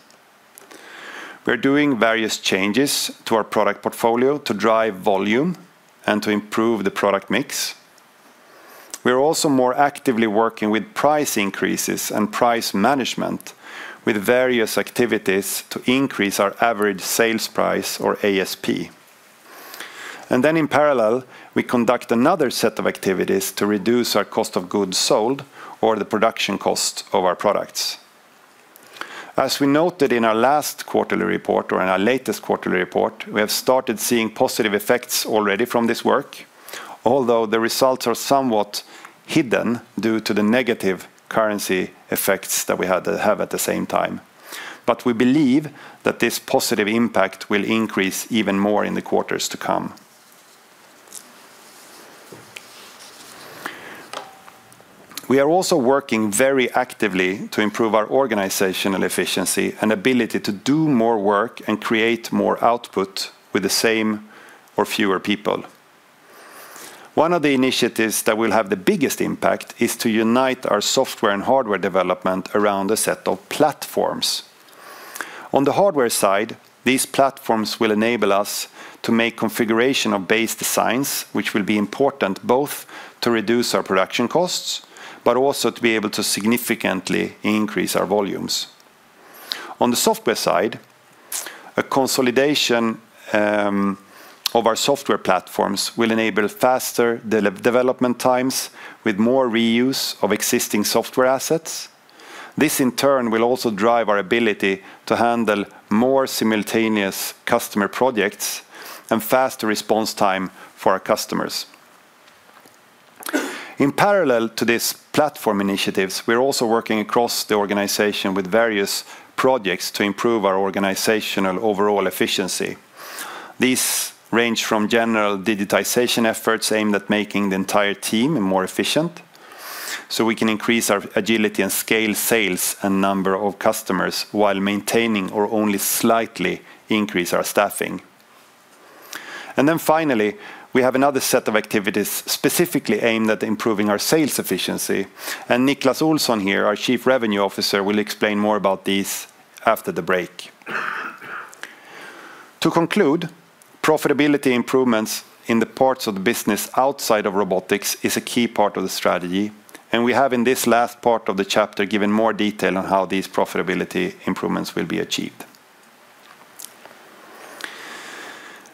We are doing various changes to our product portfolio to drive volume and to improve the product mix. We are also more actively working with price increases and price management with various activities to increase our average sales price or ASP, and then in parallel, we conduct another set of activities to reduce our cost of goods sold or the production cost of our products. As we noted in our last quarterly report or in our latest quarterly report, we have started seeing positive effects already from this work, although the results are somewhat hidden due to the negative currency effects that we have at the same time. But we believe that this positive impact will increase even more in the quarters to come. We are also working very actively to improve our organizational efficiency and ability to do more work and create more output with the same or fewer people. One of the initiatives that will have the biggest impact is to unite our software and hardware development around a set of platforms. On the hardware side, these platforms will enable us to make configuration of base designs, which will be important both to reduce our production costs, but also to be able to significantly increase our volumes. On the software side, a consolidation of our software platforms will enable faster development times with more reuse of existing software assets. This, in turn, will also drive our ability to handle more simultaneous customer projects and faster response time for our customers. In parallel to these platform initiatives, we're also working across the organization with various projects to improve our organizational overall efficiency. These range from general digitization efforts aimed at making the entire team more efficient, so we can increase our agility and scale sales and number of customers while maintaining or only slightly increase our staffing. And then finally, we have another set of activities specifically aimed at improving our sales efficiency. And Niclas Olsson here, our Chief Revenue Officer, will explain more about these after the break. To conclude, profitability improvements in the parts of the business outside of robotics is a key part of the strategy, and we have in this last part of the chapter given more detail on how these profitability improvements will be achieved.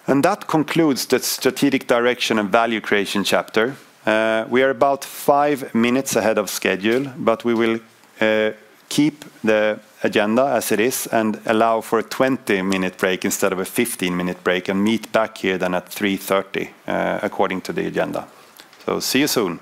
And that concludes the strategic direction and value creation chapter. We are about five minutes ahead of schedule, but we will keep the agenda as it is and allow for a 20-minute break instead of a 15-minute break and meet back here then at 3:30 P.M. according to the agenda. So see you soon.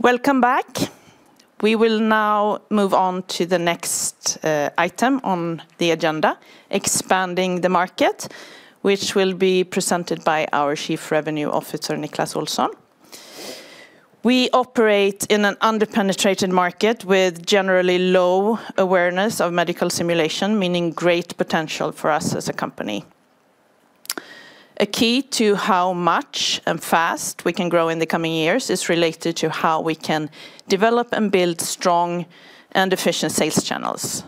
Welcome back. We will now move on to the next item on the agenda: expanding the market, which will be presented by our Chief Revenue Officer, Niclas Olsson. We operate in an underpenetrated market with generally low awareness of medical simulation, meaning great potential for us as a company. A key to how much and fast we can grow in the coming years is related to how we can develop and build strong and efficient sales channels.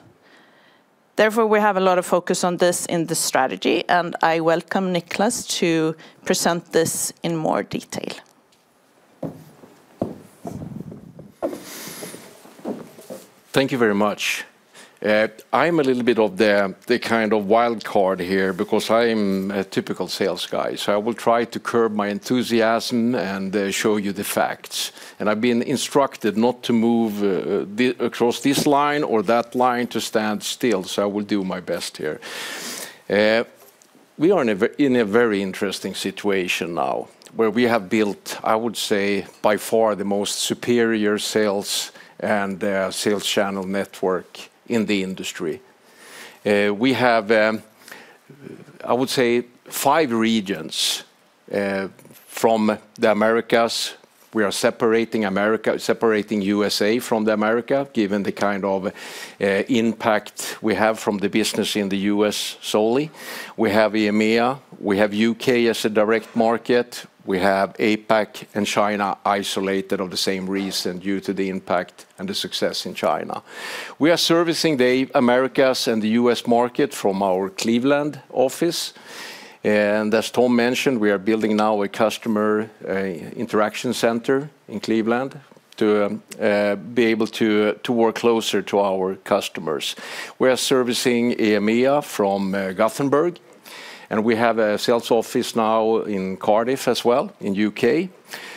Therefore, we have a lot of focus on this in the strategy, and I welcome Niclas to present this in more detail. Thank you very much. I'm a little bit of the kind of wild card here because I'm a typical sales guy, so I will try to curb my enthusiasm and show you the facts, and I've been instructed not to move across this line or that line to stand still, so I will do my best here. We are in a very interesting situation now where we have built, I would say, by far the most superior sales and sales channel network in the industry. We have, I would say, five regions from the Americas. We are separating USA from the Americas, given the kind of impact we have from the business in the U.S. solely. We have EMEA. We have U.K. as a direct market. We have APAC and China isolated for the same reason due to the impact and the success in China. We are servicing the Americas and the U.S. market from our Cleveland office, and as Tom mentioned, we are building now a customer interaction center in Cleveland to be able to work closer to our customers. We are servicing EMEA from Gothenburg, and we have a sales office now in Cardiff as well in the U.K.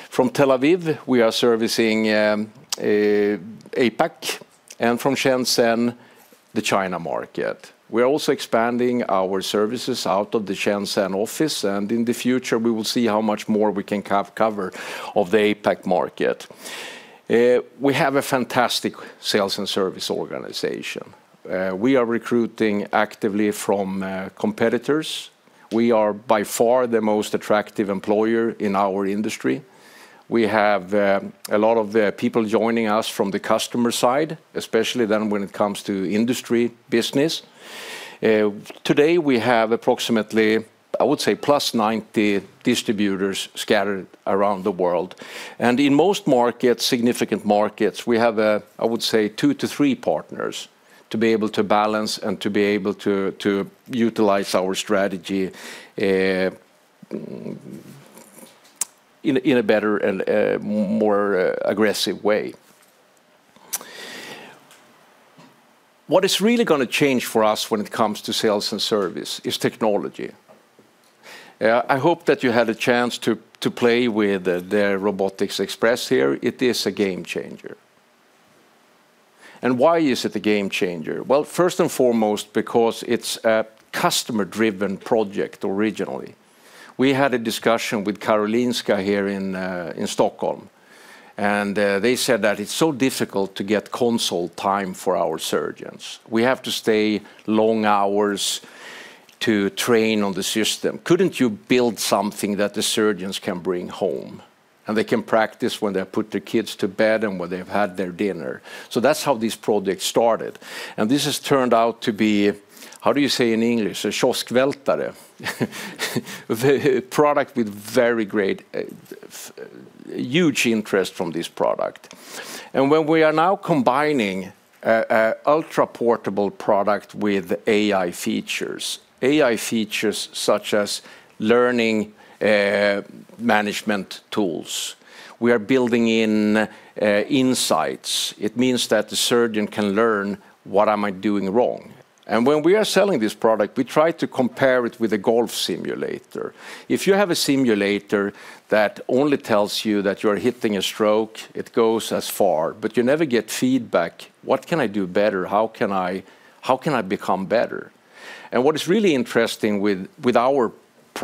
From Tel Aviv, we are servicing APAC and from Shenzhen, the China market. We are also expanding our services out of the Shenzhen office, and in the future, we will see how much more we can cover of the APAC market. We have a fantastic sales and service organization. We are recruiting actively from competitors. We are by far the most attractive employer in our industry. We have a lot of people joining us from the customer side, especially then when it comes to industry business. Today, we have approximately, I would say, +90 distributors scattered around the world, and in most markets, significant markets, we have a, I would say, two to three partners to be able to balance and to be able to utilize our strategy in a better and more aggressive way. What is really going to change for us when it comes to sales and service is technology. I hope that you had a chance to play with the RobotiX Express here. It is a game changer. And why is it a game changer, well, first and foremost, because it's a customer-driven project originally. We had a discussion with Karolinska here in Stockholm, and they said that it's so difficult to get console time for our surgeons. We have to stay long hours to train on the system. Couldn't you build something that the surgeons can bring home and they can practice when they put their kids to bed and when they've had their dinner? So that's how this project started. And this has turned out to be, how do you say in English, a kioskvältare, a product with very great, huge interest from this product. And when we are now combining an ultra-portable product with AI features, AI features such as learning management tools, we are building in insights. It means that the surgeon can learn what am I doing wrong. And when we are selling this product, we try to compare it with a golf simulator. If you have a simulator that only tells you that you are hitting a stroke, it goes as far, but you never get feedback. What can I do better? How can I become better and what is really interesting with our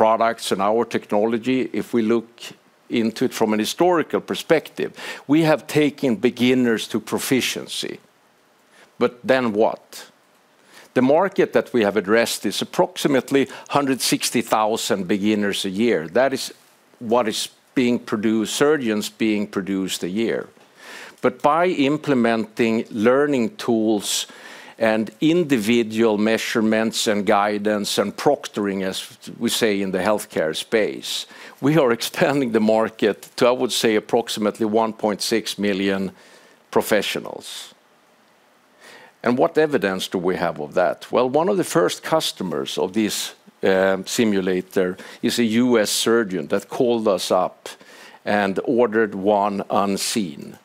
products and our technology? If we look into it from a historical perspective, we have taken beginners to proficiency but then what? The market that we have addressed is approximately 160,000 beginners a year. That is what is being produced, surgeons being produced a year but by implementing learning tools and individual measurements and guidance and proctoring, as we say in the healthcare space, we are expanding the market to, I would say, approximately 1.6 million professionals and what evidence do we have of that? Well, one of the first customers of this simulator is a U.S. surgeon that called us up and ordered one unseen.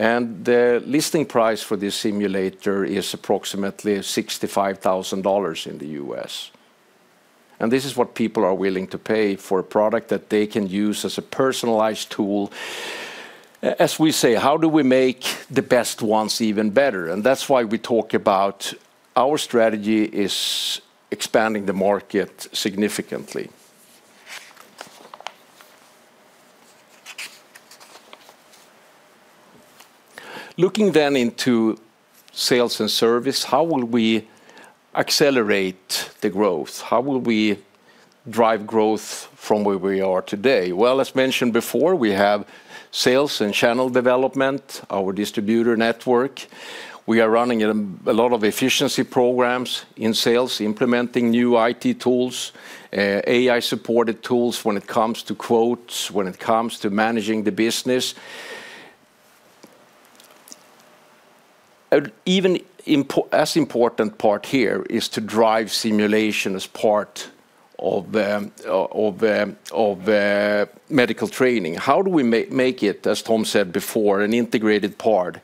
The listing price for this simulator is approximately $65,000 in the U.S. This is what people are willing to pay for a product that they can use as a personalized tool. As we say, how do we make the best ones even better? That's why we talk about our strategy is expanding the market significantly. Looking then into sales and service, how will we accelerate the growth? How will we drive growth from where we are today? As mentioned before, we have sales and channel development, our distributor network. We are running a lot of efficiency programs in sales, implementing new IT tools, AI-supported tools when it comes to quotes, when it comes to managing the business. Even as important part here is to drive simulation as part of medical training. How do we make it, as Tom said before, an integrated part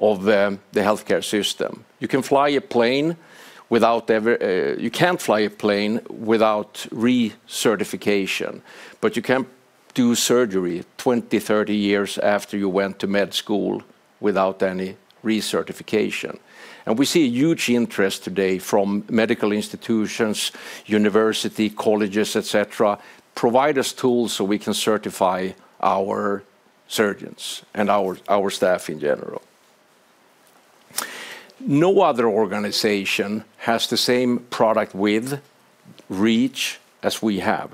of the healthcare system? You can fly a plane without ever, you can't fly a plane without recertification, but you can do surgery 20, 30 years after you went to med school without any recertification, and we see a huge interest today from medical institutions, universities, colleges, etc., provide us tools so we can certify our surgeons and our staff in general. No other organization has the same product with reach as we have,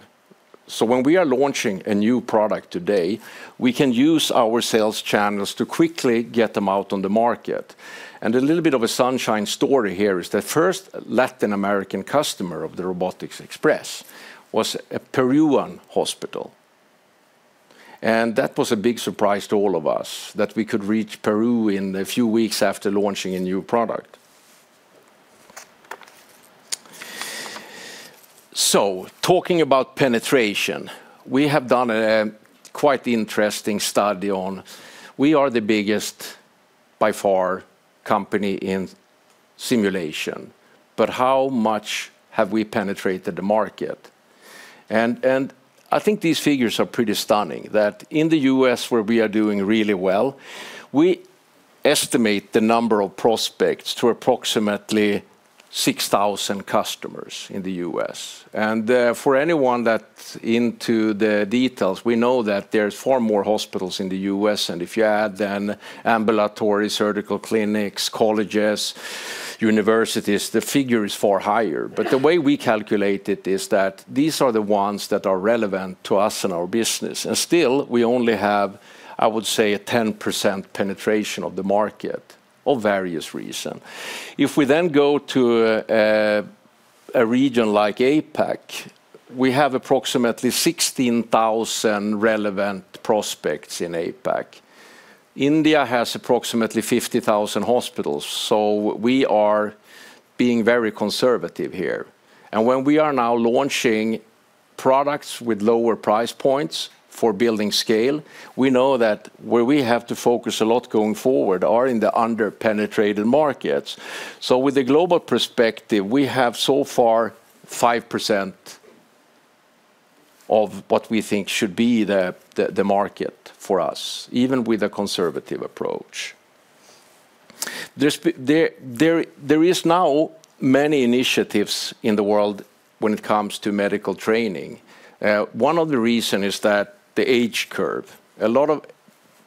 so when we are launching a new product today, we can use our sales channels to quickly get them out on the market, and a little bit of a sunshine story here is that first Latin American customer of the RobotiX Express was a Peruvian hospital. That was a big surprise to all of us that we could reach Peru in a few weeks after launching a new product. Talking about penetration, we have done a quite interesting study on, we are the biggest by far company in simulation, but how much have we penetrated the market? I think these figures are pretty stunning that in the U.S., where we are doing really well, we estimate the number of prospects to approximately 6,000 customers in the U.S. For anyone that's into the details, we know that there's far more hospitals in the U.S. If you add then ambulatory surgical clinics, colleges, universities, the figure is far higher. The way we calculate it is that these are the ones that are relevant to us and our business. Still, we only have, I would say, a 10% penetration of the market for various reasons. If we then go to a region like APAC, we have approximately 16,000 relevant prospects in APAC. India has approximately 50,000 hospitals. We are being very conservative here. When we are now launching products with lower price points for building scale, we know that where we have to focus a lot going forward are in the under-penetrated markets. With the global perspective, we have so far 5% of what we think should be the market for us, even with a conservative approach. There are now many initiatives in the world when it comes to medical training. One of the reasons is that the age curve, a lot of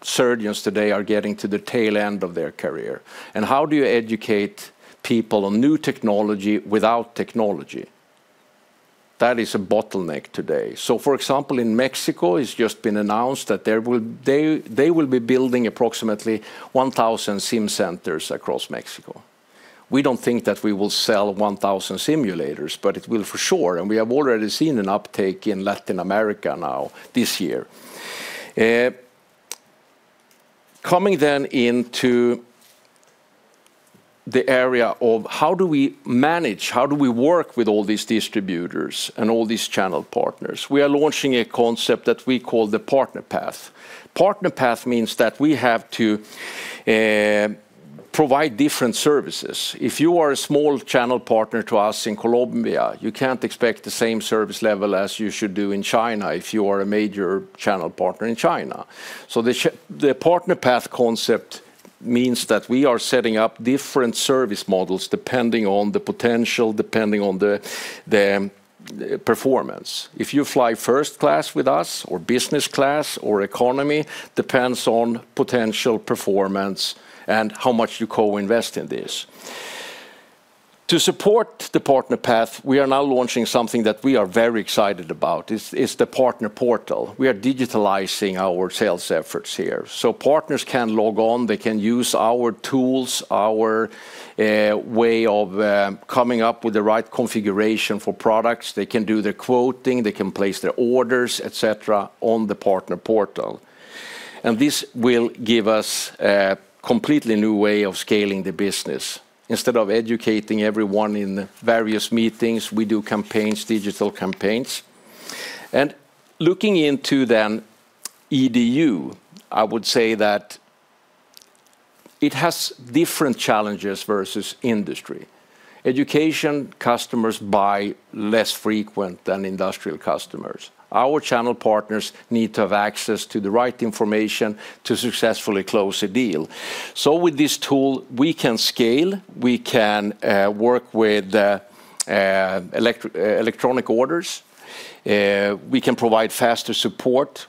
surgeons today are getting to the tail end of their career. How do you educate people on new technology without technology? That is a bottleneck today, so for example, in Mexico, it's just been announced that they will be building approximately 1,000 sim centers across Mexico. We don't think that we will sell 1,000 simulators, but it will for sure, and we have already seen an uptake in Latin America now this year. Coming then into the area of how do we manage, how do we work with all these distributors and all these channel partners? We are launching a concept that we call the Partner Path. Partner path means that we have to provide different services. If you are a small channel partner to us in Colombia, you can't expect the same service level as you should do in China if you are a major channel partner in China. The Partner Path concept means that we are setting up different service models depending on the potential, depending on the performance. If you fly first class with us or business class or economy, it depends on potential performance and how much you co-invest in this. To support the Partner Path, we are now launching something that we are very excited about. It's the Partner Portal. We are digitizing our sales efforts here. So partners can log on, they can use our tools, our way of coming up with the right configuration for products. They can do their quoting, they can place their orders, etc., on the Partner Portal. And this will give us a completely new way of scaling the business. Instead of educating everyone in various meetings, we do campaigns, digital campaigns. And looking into then Edu, I would say that it has different challenges versus industry. Education customers buy less frequent than industrial customers. Our channel partners need to have access to the right information to successfully close a deal. So with this tool, we can scale, we can work with electronic orders, we can provide faster support.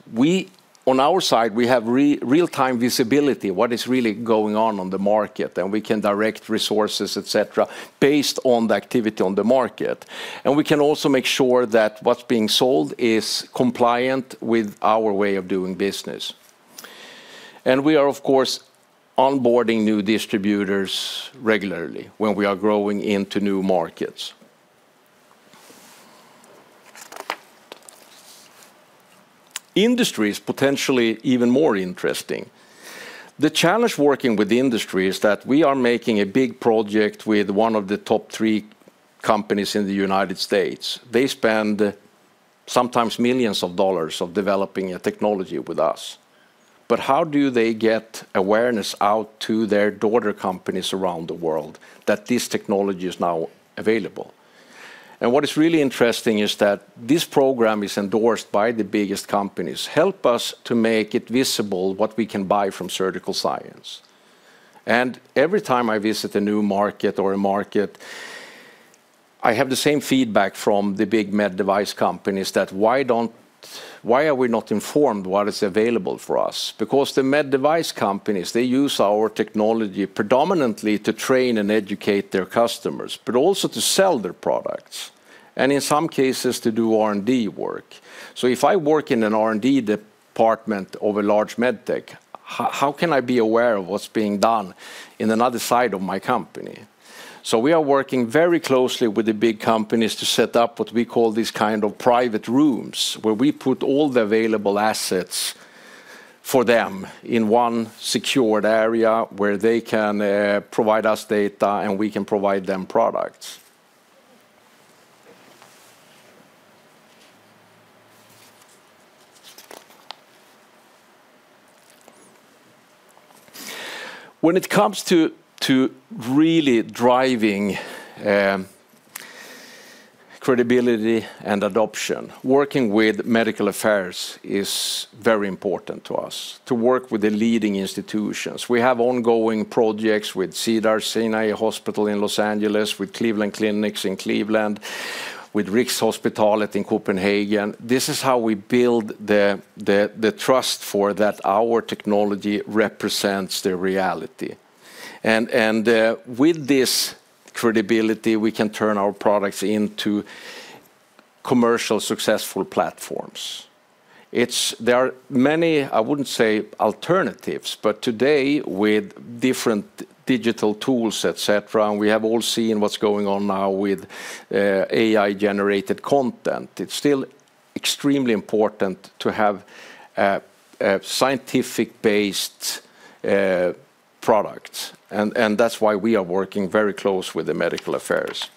On our side, we have real-time visibility of what is really going on on the market, and we can direct resources, etc., based on the activity on the market. And we can also make sure that what's being sold is compliant with our way of doing business. And we are, of course, onboarding new distributors regularly when we are growing into new markets. Industry is potentially even more interesting. The challenge working with industry is that we are making a big project with one of the top three companies in the United States. They spend sometimes millions of dollars on developing a technology with us. But how do they get awareness out to their daughter companies around the world that this technology is now available? And what is really interesting is that this program is endorsed by the biggest companies. Help us to make it visible what we can buy from Surgical Science. And every time I visit a new market or a market, I have the same feedback from the big med device companies that why are we not informed what is available for us? Because the med device companies, they use our technology predominantly to train and educate their customers, but also to sell their products and in some cases to do R&D work. So if I work in an R&D department of a large med tech, how can I be aware of what's being done in another side of my company? So we are working very closely with the big companies to set up what we call these kind of private rooms where we put all the available assets for them in one secured area where they can provide us data and we can provide them products. When it comes to really driving credibility and adoption, working with medical affairs is very important to us to work with the leading institutions. We have ongoing projects with Cedars-Sinai Medical Center in Los Angeles, with Cleveland Clinic in Cleveland, with Rigshospitalet in Copenhagen. This is how we build the trust for that our technology represents their reality, and with this credibility, we can turn our products into commercial successful platforms. There are many, I wouldn't say alternatives, but today with different digital tools, etc., and we have all seen what's going on now with AI-generated content. It's still extremely important to have scientific-based products. And that's why we are working very closely with the medical affairs.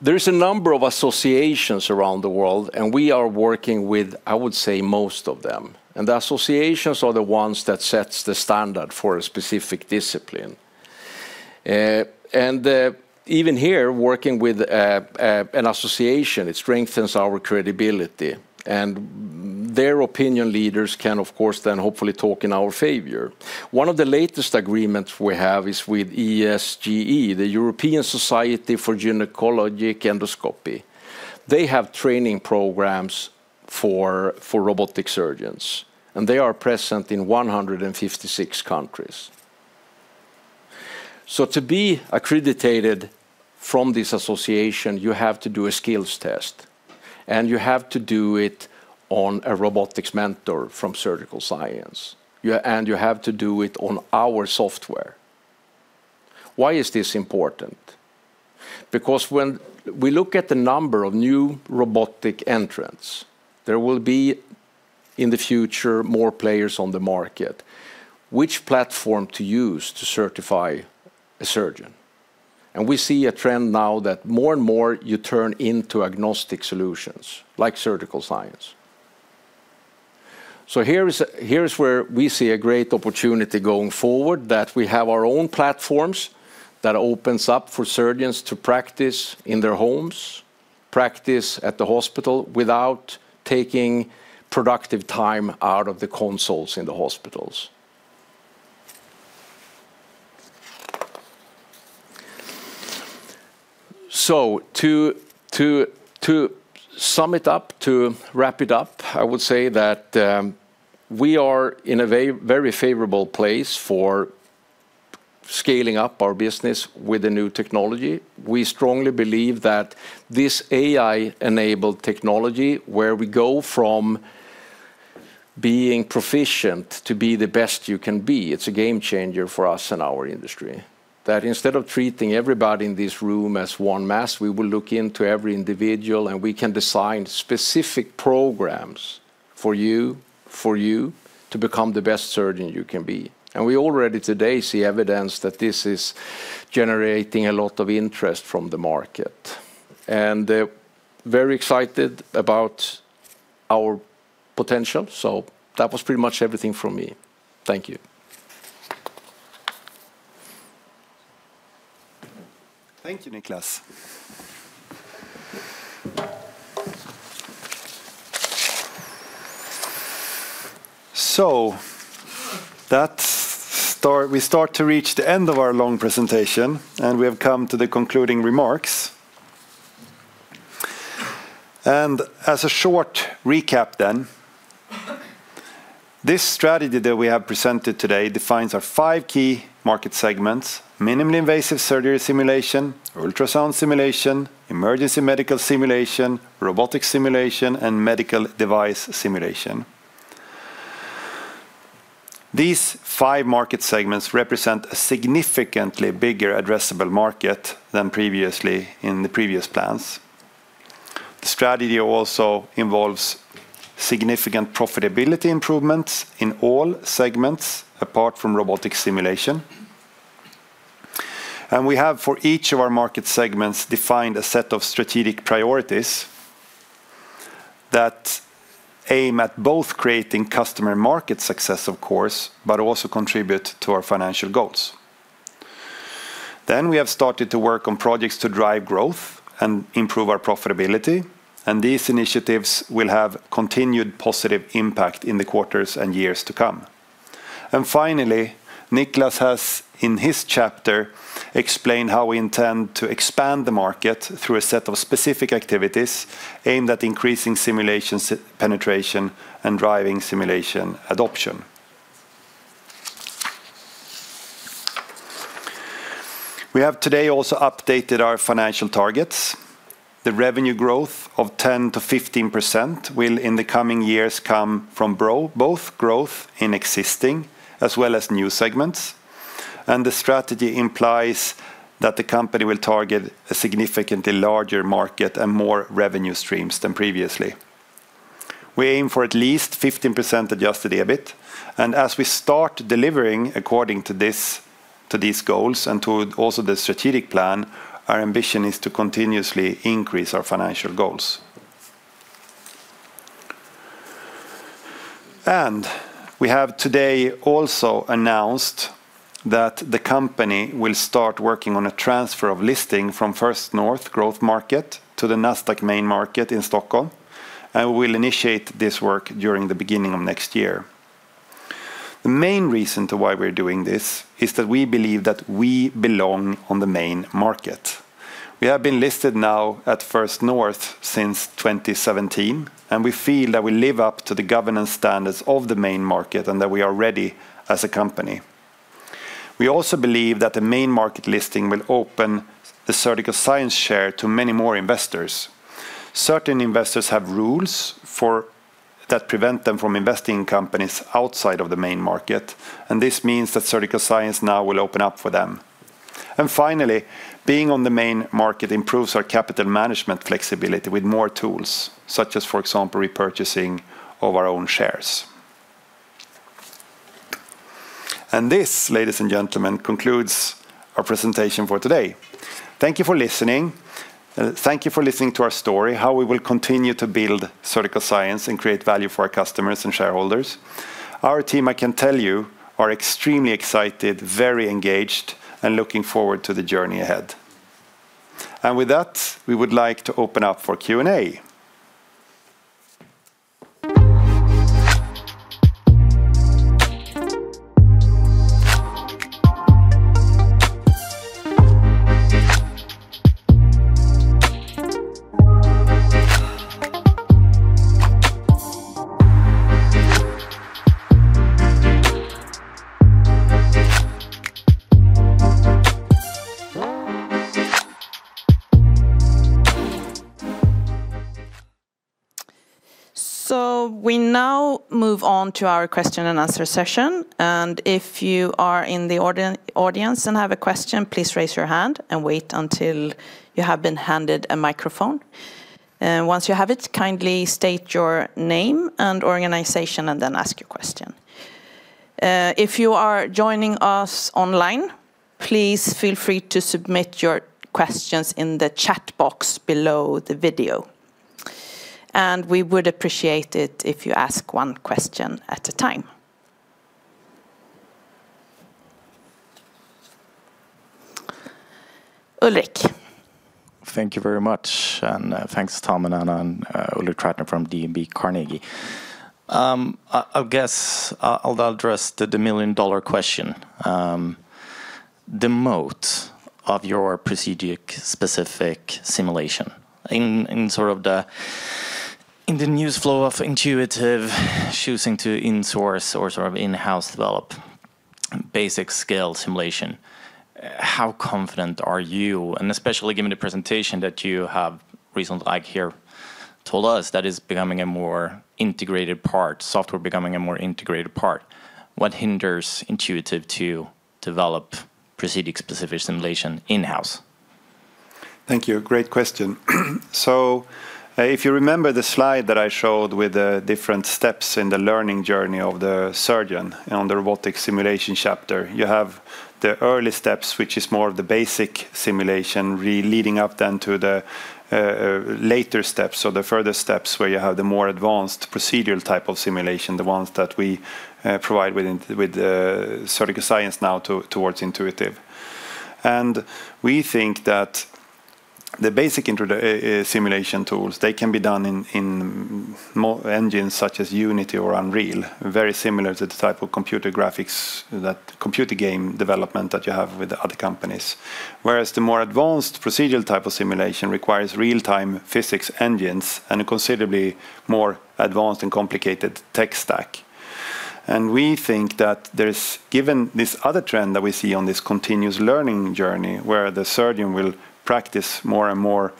There is a number of associations around the world, and we are working with, I would say, most of them. And the associations are the ones that set the standard for a specific discipline. And even here, working with an association, it strengthens our credibility. And their opinion leaders can, of course, then hopefully talk in our favor. One of the latest agreements we have is with ESGE, the European Society for Gynaecological Endoscopy. They have training programs for robotic surgeons, and they are present in 156 countries. So to be accredited from this association, you have to do a skills test, and you have to do it on a RobotiX Mentor from Surgical Science, and you have to do it on our software. Why is this important? Because when we look at the number of new robotic entrants, there will be in the future more players on the market. Which platform to use to certify a surgeon? And we see a trend now that more and more you turn into agnostic solutions like Surgical Science. So here is where we see a great opportunity going forward that we have our own platforms that opens up for surgeons to practice in their homes, practice at the hospital without taking productive time out of the consults in the hospitals. So to sum it up, to wrap it up, I would say that we are in a very favorable place for scaling up our business with a new technology. We strongly believe that this AI-enabled technology, where we go from being proficient to be the best you can be, it's a game changer for us and our industry. That instead of treating everybody in this room as one mass, we will look into every individual and we can design specific programs for you to become the best surgeon you can be. And we already today see evidence that this is generating a lot of interest from the market. And very excited about our potential. So that was pretty much everything from me. Thank you. Thank you, Niclas. So we start to reach the end of our long presentation, and we have come to the concluding remarks. And as a short recap then, this strategy that we have presented today defines our five key market segments: minimally invasive surgery simulation, ultrasound simulation, emergency medical simulation, robotic simulation, and medical device simulation. These five market segments represent a significantly bigger addressable market than previously in the previous plans. The strategy also involves significant profitability improvements in all segments apart from robotic simulation. And we have for each of our market segments defined a set of strategic priorities that aim at both creating customer market success, of course, but also contribute to our financial goals. Then we have started to work on projects to drive growth and improve our profitability. And these initiatives will have continued positive impact in the quarters and years to come. And finally, Niclas has in his chapter explained how we intend to expand the market through a set of specific activities aimed at increasing simulation penetration and driving simulation adoption. We have today also updated our financial targets. The revenue growth of 10%-15% will in the coming years come from both growth in existing as well as new segments. The strategy implies that the company will target a significantly larger market and more revenue streams than previously. We aim for at least 15% Adjusted EBIT. As we start delivering according to these goals and to also the strategic plan, our ambition is to continuously increase our financial goals. We have today also announced that the company will start working on a transfer of listing from First North Growth Market to the Nasdaq Main Market in Stockholm. We will initiate this work during the beginning of next year. The main reason why we're doing this is that we believe that we belong on the main market. We have been listed now at First North since 2017, and we feel that we live up to the governance standards of the main market and that we are ready as a company. We also believe that the main market listing will open the Surgical Science share to many more investors. Certain investors have rules that prevent them from investing in companies outside of the main market, and this means that Surgical Science now will open up for them. And finally, being on the main market improves our capital management flexibility with more tools, such as, for example, repurchasing of our own shares. And this, ladies and gentlemen, concludes our presentation for today. Thank you for listening. Thank you for listening to our story, how we will continue to build Surgical Science and create value for our customers and shareholders. Our team, I can tell you, are extremely excited, very engaged, and looking forward to the journey ahead. And with that, we would like to open up for Q&A. So we now move on to our question and answer session. And if you are in the audience and have a question, please raise your hand and wait until you have been handed a microphone. Once you have it, kindly state your name and organization and then ask your question. If you are joining us online, please feel free to submit your questions in the chat box below the video. And we would appreciate it if you ask one question at a time. Ulrik. Thank you very much. And thanks, Tom and Anna, I'm Ulrik Trattner from DNB Carnegie. I guess I'll address the million-dollar question. The moat of your procedure-specific simulation in sort of the news flow of Intuitive choosing to insource or sort of in-house develop basic skills simulation, how confident are you? Especially given the presentation that you have recently told us that is becoming a more integrated part, software becoming a more integrated part, what hinders Intuitive to develop procedure-specific simulation in-house? Thank you. Great question. If you remember the slide that I showed with the different steps in the learning journey of the surgeon on the robotic simulation chapter, you have the early steps, which is more of the basic simulation, leading up then to the later steps, so the further steps where you have the more advanced procedural type of simulation, the ones that we provide with Surgical Science now towards Intuitive. We think that the basic simulation tools, they can be done in engines such as Unity or Unreal, very similar to the type of computer graphics that computer game development that you have with other companies. Whereas the more advanced procedural type of simulation requires real-time physics engines and a considerably more advanced and complicated tech stack, and we think that there is, given this other trend that we see on this continuous learning journey where the surgeon will practice more and more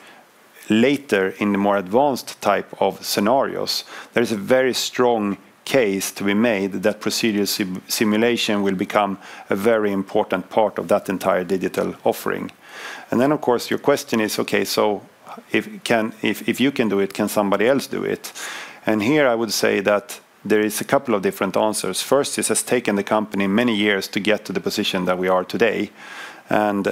later in the more advanced type of scenarios, there is a very strong case to be made that procedural simulation will become a very important part of that entire digital offering, and then, of course, your question is, okay, so if you can do it, can somebody else do it, and here I would say that there is a couple of different answers. First, this has taken the company many years to get to the position that we are today, and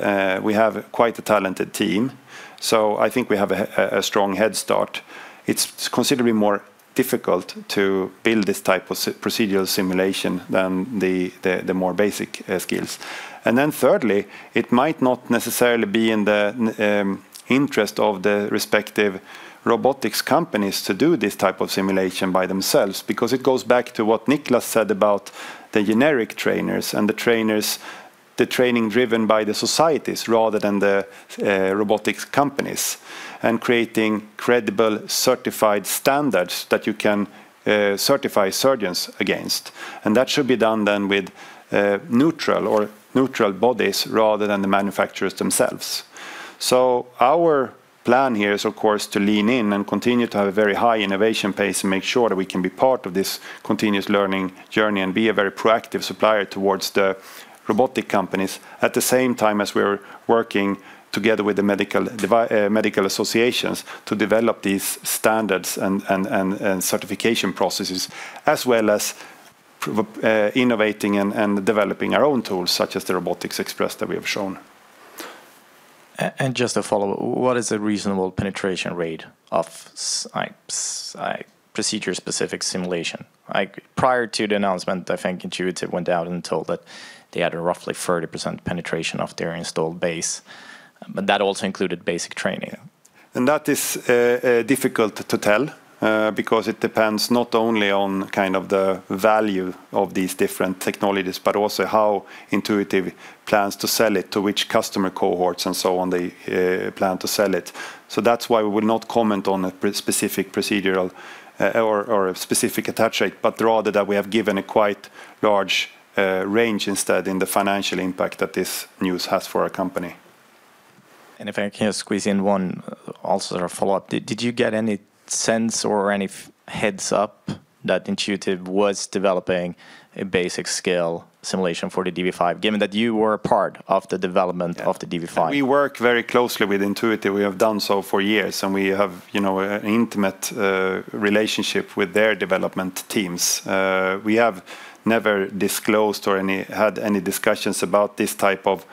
we have quite a talented team, so I think we have a strong head start. It's considerably more difficult to build this type of procedural simulation than the more basic skills. Then, thirdly, it might not necessarily be in the interest of the respective robotics companies to do this type of simulation by themselves because it goes back to what Niclas said about the generic trainers and the training driven by the societies rather than the robotics companies and creating credible certified standards that you can certify surgeons against. That should be done then with neutral bodies rather than the manufacturers themselves. Our plan here is, of course, to lean in and continue to have a very high innovation pace and make sure that we can be part of this continuous learning journey and be a very proactive supplier towards the robotic companies at the same time as we're working together with the medical associations to develop these standards and certification processes, as well as innovating and developing our own tools such as the RobotiX Express that we have shown. Just a follow-up, what is a reasonable penetration rate of procedure-specific simulation? Prior to the announcement, I think Intuitive went out and told that they had a roughly 30% penetration of their installed base. But that also included basic training. That is difficult to tell because it depends not only on kind of the value of these different technologies, but also how Intuitive plans to sell it, to which customer cohorts and so on they plan to sell it. That's why we will not comment on a specific procedural or a specific attach rate, but rather that we have given a quite large range instead in the financial impact that this news has for our company. If I can squeeze in one also sort of follow-up, did you get any sense or any heads up that Intuitive was developing a basic skills simulation for the da Vinci 5, given that you were a part of the development of the da Vinci 5? We work very closely with Intuitive. We have done so for years, and we have an intimate relationship with their development teams. We have never disclosed or had any discussions about this type of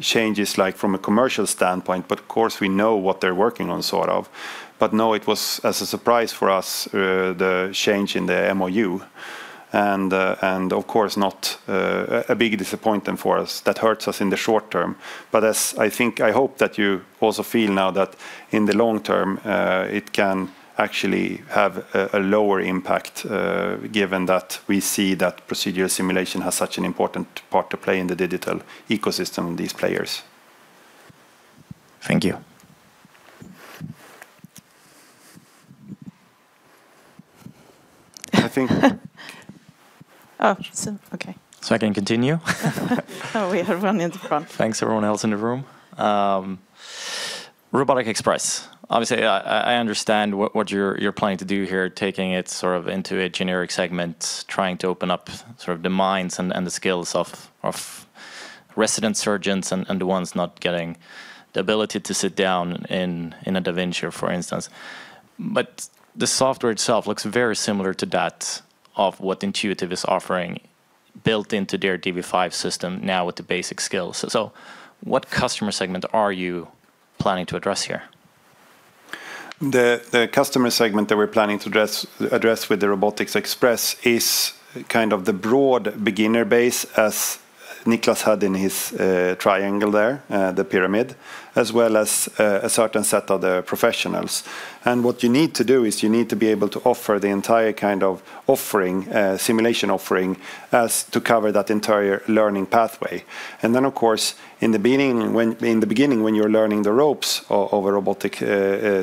changes from a commercial standpoint, but of course we know what they're working on sort of. But no, it was a surprise for us, the change in the MoU. And of course, not a big disappointment for us. That hurts us in the short term. But I think I hope that you also feel now that in the long term, it can actually have a lower impact given that we see that procedural simulation has such an important part to play in the digital ecosystem of these players. Thank you. I think. Oh, okay. So I can continue? Oh, we are running out of time. Thanks everyone else in the room. RobotiX Express. Obviously, I understand what you're planning to do here, taking it sort of into a generic segment, trying to open up sort of the minds and the skills of resident surgeons and the ones not getting the ability to sit down in a da Vinci, for instance. But the software itself looks very similar to that of what Intuitive is offering built into their dV5 system now with the basic skills. So what customer segment are you planning to address here? The customer segment that we're planning to address with the RobotiX Express is kind of the broad beginner base as Niclas had in his triangle there, the pyramid, as well as a certain set of the professionals. And what you need to do is you need to be able to offer the entire kind of offering, simulation offering to cover that entire learning pathway. And then, of course, in the beginning, when you're learning the ropes of a robotic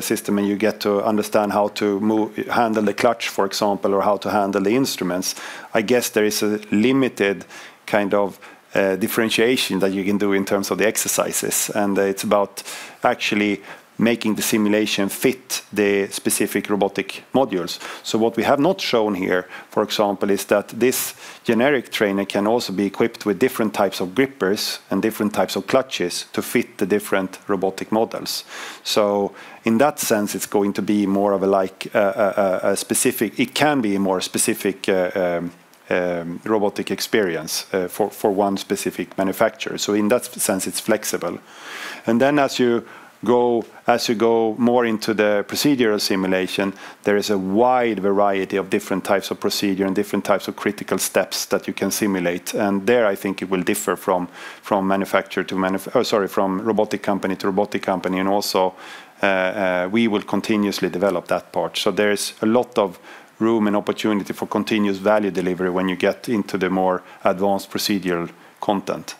system and you get to understand how to handle the clutch, for example, or how to handle the instruments, I guess there is a limited kind of differentiation that you can do in terms of the exercises. And it's about actually making the simulation fit the specific robotic modules. So what we have not shown here, for example, is that this generic trainer can also be equipped with different types of grippers and different types of clutches to fit the different robotic models. So in that sense, it's going to be more of a specific, it can be a more specific robotic experience for one specific manufacturer. So in that sense, it's flexible. As you go more into the procedural simulation, there is a wide variety of different types of procedure and different types of critical steps that you can simulate. There, I think it will differ from manufacturer to, sorry, from robotic company to robotic company. Also we will continuously develop that part. There is a lot of room and opportunity for continuous value delivery when you get into the more advanced procedural content.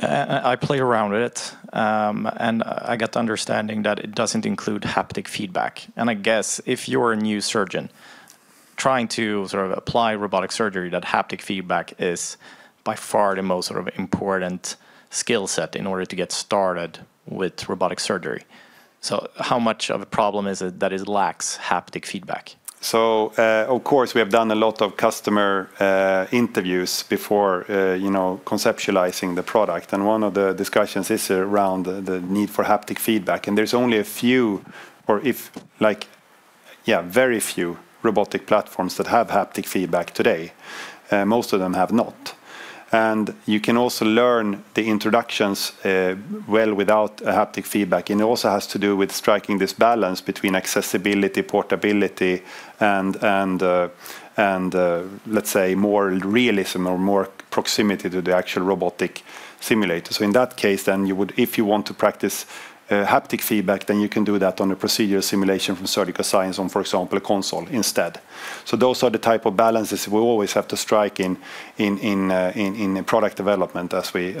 I play around with it, and I got the understanding that it doesn't include haptic feedback. I guess if you're a new surgeon trying to sort of apply robotic surgery, that haptic feedback is by far the most important skill set in order to get started with robotic surgery. How much of a problem is it that it lacks haptic feedback? Of course, we have done a lot of customer interviews before conceptualizing the product. One of the discussions is around the need for haptic feedback. There's only a few, very few robotic platforms that have haptic feedback today. Most of them have not. You can also learn the introductions well without haptic feedback. It also has to do with striking this balance between accessibility, portability, and, let's say, more realism or more proximity to the actual robotic simulator. In that case, if you want to practice haptic feedback, you can do that on a procedural simulation from Surgical Science on, for example, a console instead. Those are the type of balances we always have to strike in product development as we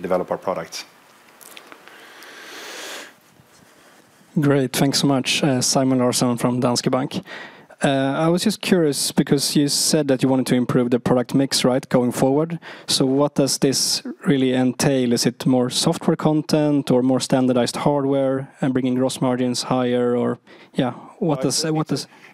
develop our products. Great. Thanks so much, Simon Larsson from Danske Bank. I was just curious because you said that you wanted to improve the product mix, right, going forward. So what does this really entail? Is it more software content or more standardized hardware and bringing gross margins higher? Or yeah, what does?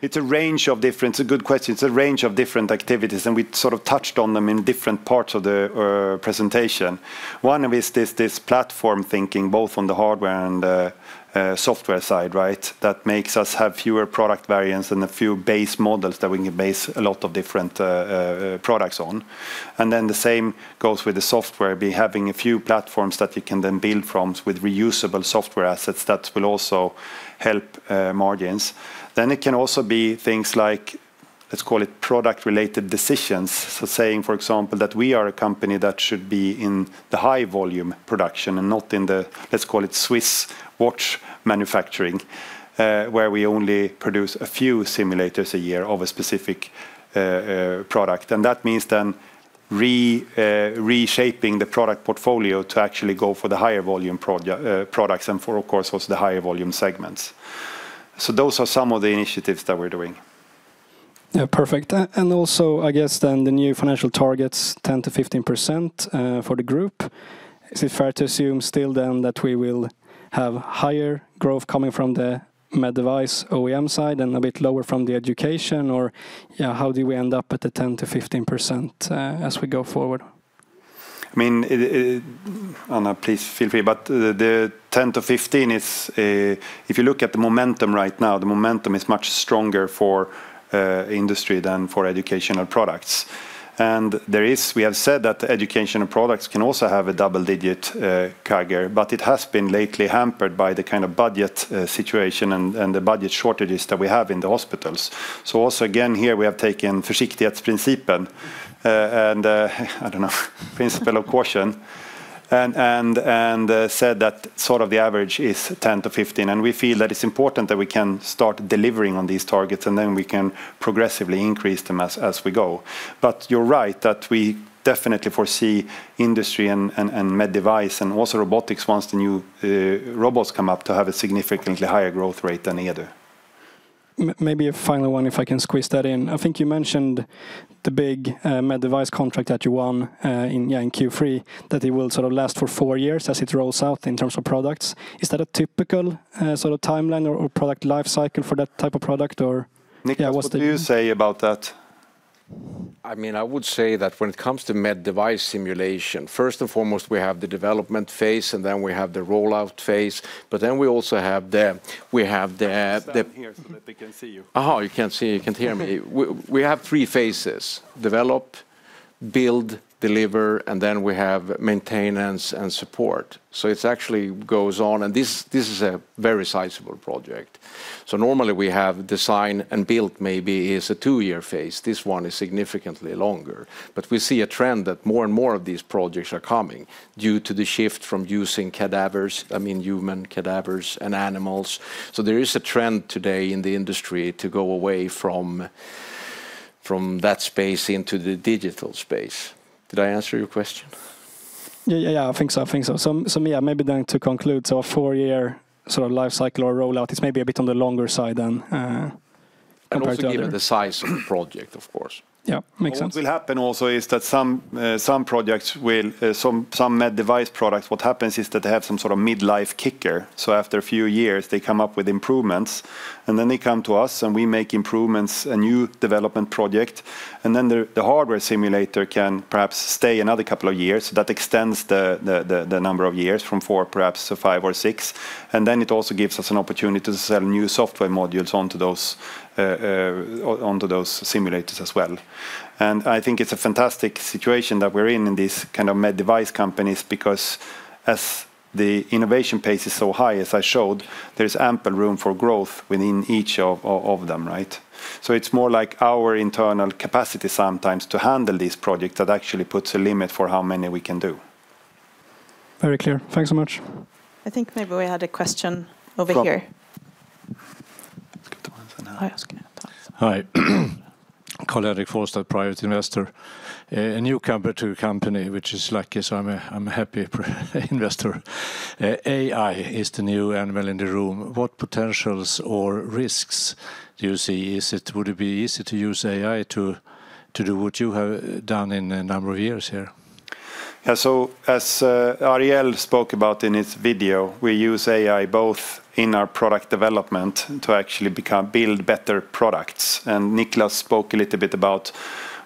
It's a range of different, it's a good question. It's a range of different activities. And we sort of touched on them in different parts of the presentation. One of it is this platform thinking, both on the hardware and the software side, right, that makes us have fewer product variants and a few base models that we can base a lot of different products on. And then the same goes with the software, having a few platforms that you can then build from with reusable software assets that will also help margins. Then it can also be things like, let's call it product-related decisions. So, saying, for example, that we are a company that should be in the high-volume production and not in the, let's call it, Swiss watch manufacturing, where we only produce a few simulators a year of a specific product, and that means then reshaping the product portfolio to actually go for the higher-volume products and for, of course, also the higher-volume segments. Those are some of the initiatives that we're doing. Yeah, perfect. Also, I guess then the new financial targets, 10%-15% for the group. Is it fair to assume still then that we will have higher growth coming from the med device OEM side and a bit lower from the education? Or how do we end up at the 10%-15% as we go forward? I mean, Anna, please feel free. But the 10%-15% is, if you look at the momentum right now, the momentum is much stronger for industry than for Educational Products. And we have said that Educational Products can also have a double-digit CAGR, but it has been lately hampered by the kind of budget situation and the budget shortages that we have in the hospitals. So also again here, we have taken försiktighetsprincipen, and I don't know, principle of caution, and said that sort of the average is 10%-15%. And we feel that it's important that we can start delivering on these targets and then we can progressively increase them as we go. But you're right that we definitely foresee industry and med device and also robotics, once the new robots come up, to have a significantly higher growth rate than either. Maybe a final one, if I can squeeze that in. I think you mentioned the big med device contract that you won in Q3, that it will sort of last for four years as it rolls out in terms of products. Is that a typical sort of timeline or product lifecycle for that type of product? Or Niclas, what do you say about that? I mean, I would say that when it comes to med device simulation, first and foremost, we have the development phase and then we have the rollout phase. But then we also have the. We can't hear so that they can see you. Oh, you can't see me. You can't hear me. We have three phases: develop, build, deliver, and then we have maintenance and support. So it actually goes on and this is a very sizable project. So normally we have design and build, maybe is a two-year phase. This one is significantly longer, but we see a trend that more and more of these projects are coming due to the shift from using cadavers, I mean, human cadavers and animals, so there is a trend today in the industry to go away from that space into the digital space. Did I answer your question? Yeah, yeah, yeah, I think so. I think so. So yeah, maybe then to conclude, so a four-year sort of lifecycle or rollout is maybe a bit on the longer side than compared to. And also given the size of the project, of course. Yeah, makes sense. What will happen also is that some projects will, some med device products, what happens is that they have some sort of mid-life kicker, so after a few years, they come up with improvements. And then they come to us and we make improvements, a new development project. And then the hardware simulator can perhaps stay another couple of years. So that extends the number of years from four, perhaps five or six. And then it also gives us an opportunity to sell new software modules onto those simulators as well. And I think it's a fantastic situation that we're in, in these kind of med device companies because as the innovation pace is so high, as I showed, there is ample room for growth within each of them, right? So it's more like our internal capacity sometimes to handle these projects that actually puts a limit for how many we can do. Very clear. Thanks so much. I think maybe we had a question over here. Hi. Carl-Erik Forsstad, private investor. A newcomer to a company, which is lucky, so I'm a happy investor. AI is the new animal in the room. What potentials or risks do you see? Would it be easy to use AI to do what you have done in a number of years here? Yeah, so as Ariel spoke about in his video, we use AI both in our product development to actually build better products, and Niclas spoke a little bit about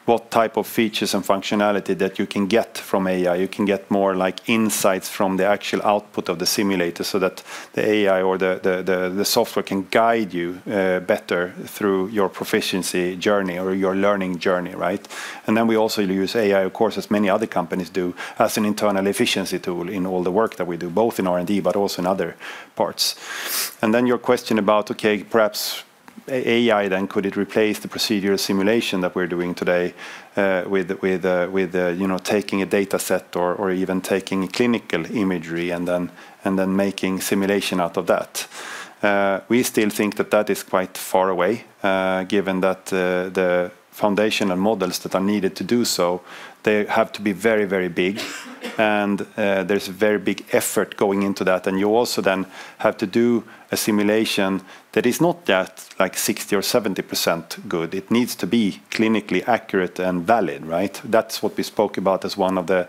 what type of features and functionality that you can get from AI. You can get more insights from the actual output of the simulator so that the AI or the software can guide you better through your proficiency journey or your learning journey, right? And then we also use AI, of course, as many other companies do, as an internal efficiency tool in all the work that we do, both in R&D, but also in other parts. And then your question about, okay, perhaps AI then, could it replace the procedural simulation that we're doing today with taking a data set or even taking clinical imagery and then making simulation out of that? We still think that that is quite far away, given that the foundational models that are needed to do so, they have to be very, very big. And there's a very big effort going into that. And you also then have to do a simulation that is not yet like 60% or 70% good. It needs to be clinically accurate and valid, right? That's what we spoke about as one of the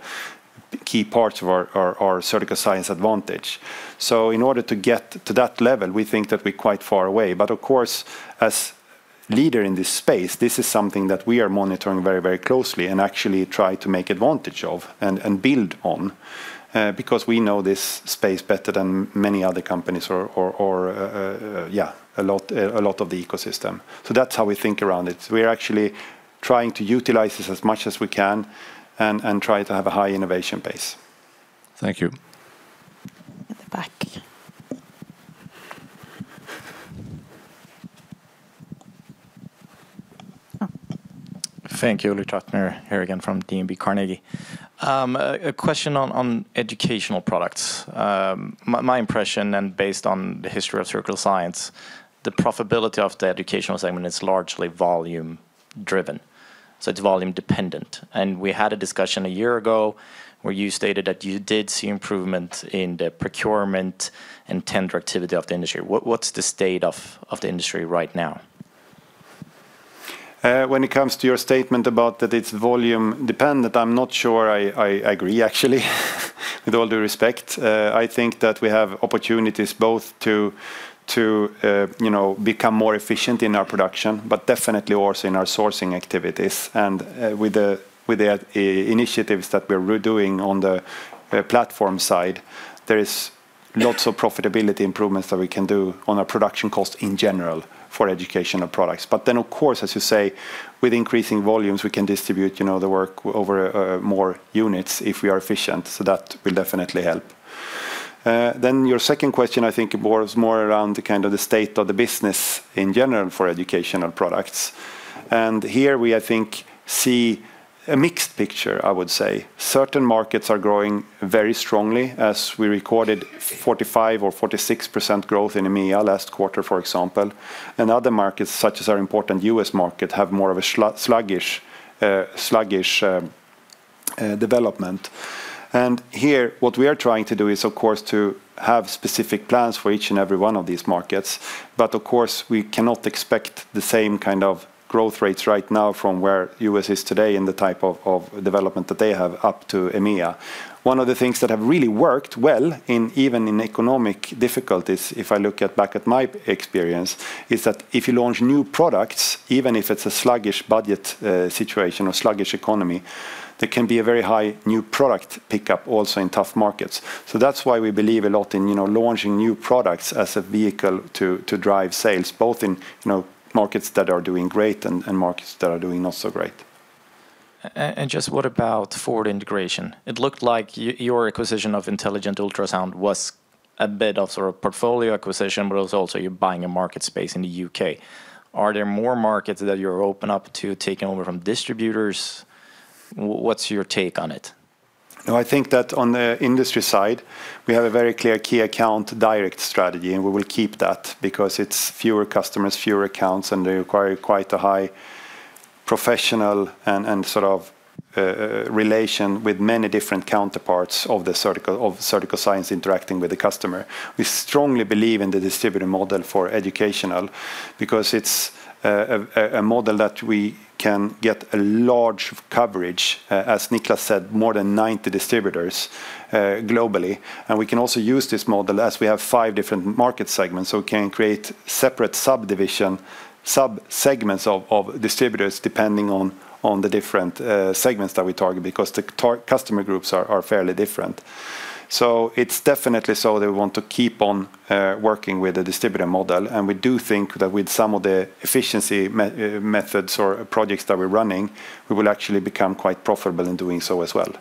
key parts of our Surgical Science advantage. So in order to get to that level, we think that we're quite far away. But of course, as a leader in this space, this is something that we are monitoring very, very closely and actually try to make advantage of and build on because we know this space better than many other companies or, yeah, a lot of the ecosystem. So that's how we think around it. We're actually trying to utilize this as much as we can and try to have a high innovation base. Thank you. At the back. Thank you, Ulrik Trattner here again from DNB Carnegie. A question on Educational Products. My impression, and based on the history of Surgical Science, the profitability of the educational segment is largely volume-driven. So it's volume-dependent. We had a discussion a year ago where you stated that you did see improvement in the procurement and tender activity of the industry. What's the state of the industry right now? When it comes to your statement about that it's volume-dependent, I'm not sure I agree, actually, with all due respect. I think that we have opportunities both to become more efficient in our production, but definitely also in our sourcing activities. With the initiatives that we're doing on the platform side, there is lots of profitability improvements that we can do on our production cost in general for Educational Products. Then, of course, as you say, with increasing volumes, we can distribute the work over more units if we are efficient. That will definitely help. Then your second question, I think, was more around the kind of state of the business in general for Educational Products. And here we, I think, see a mixed picture, I would say. Certain markets are growing very strongly, as we recorded 45% or 46% growth in EMEA last quarter, for example. And other markets, such as our important U.S. market, have more of a sluggish development. And here, what we are trying to do is, of course, to have specific plans for each and every one of these markets. But of course, we cannot expect the same kind of growth rates right now from where U.S. is today in the type of development that they have up to EMEA. One of the things that have really worked well, even in economic difficulties, if I look back at my experience, is that if you launch new products, even if it's a sluggish budget situation or sluggish economy, there can be a very high new product pickup also in tough markets. So that's why we believe a lot in launching new products as a vehicle to drive sales, both in markets that are doing great and markets that are doing not so great. And just what about forward integration? It looked like your acquisition of Intelligent Ultrasound was a bit of sort of portfolio acquisition, but it was also you're buying a market space in the U.K. Are there more markets that you're open up to taking over from distributors? What's your take on it? No, I think that on the industry side, we have a very clear key account direct strategy, and we will keep that because it's fewer customers, fewer accounts, and they require quite a high professional and sort of relation with many different counterparts of Surgical Science interacting with the customer. We strongly believe in the distributor model for educational because it's a model that we can get a large coverage, as Niclas said, more than 90 distributors globally. And we can also use this model as we have five different market segments, so we can create separate subdivision, subsegments of distributors depending on the different segments that we target because the customer groups are fairly different. So it's definitely so that we want to keep on working with the distributor model. We do think that with some of the efficiency methods or projects that we're running, we will actually become quite profitable in doing so as well.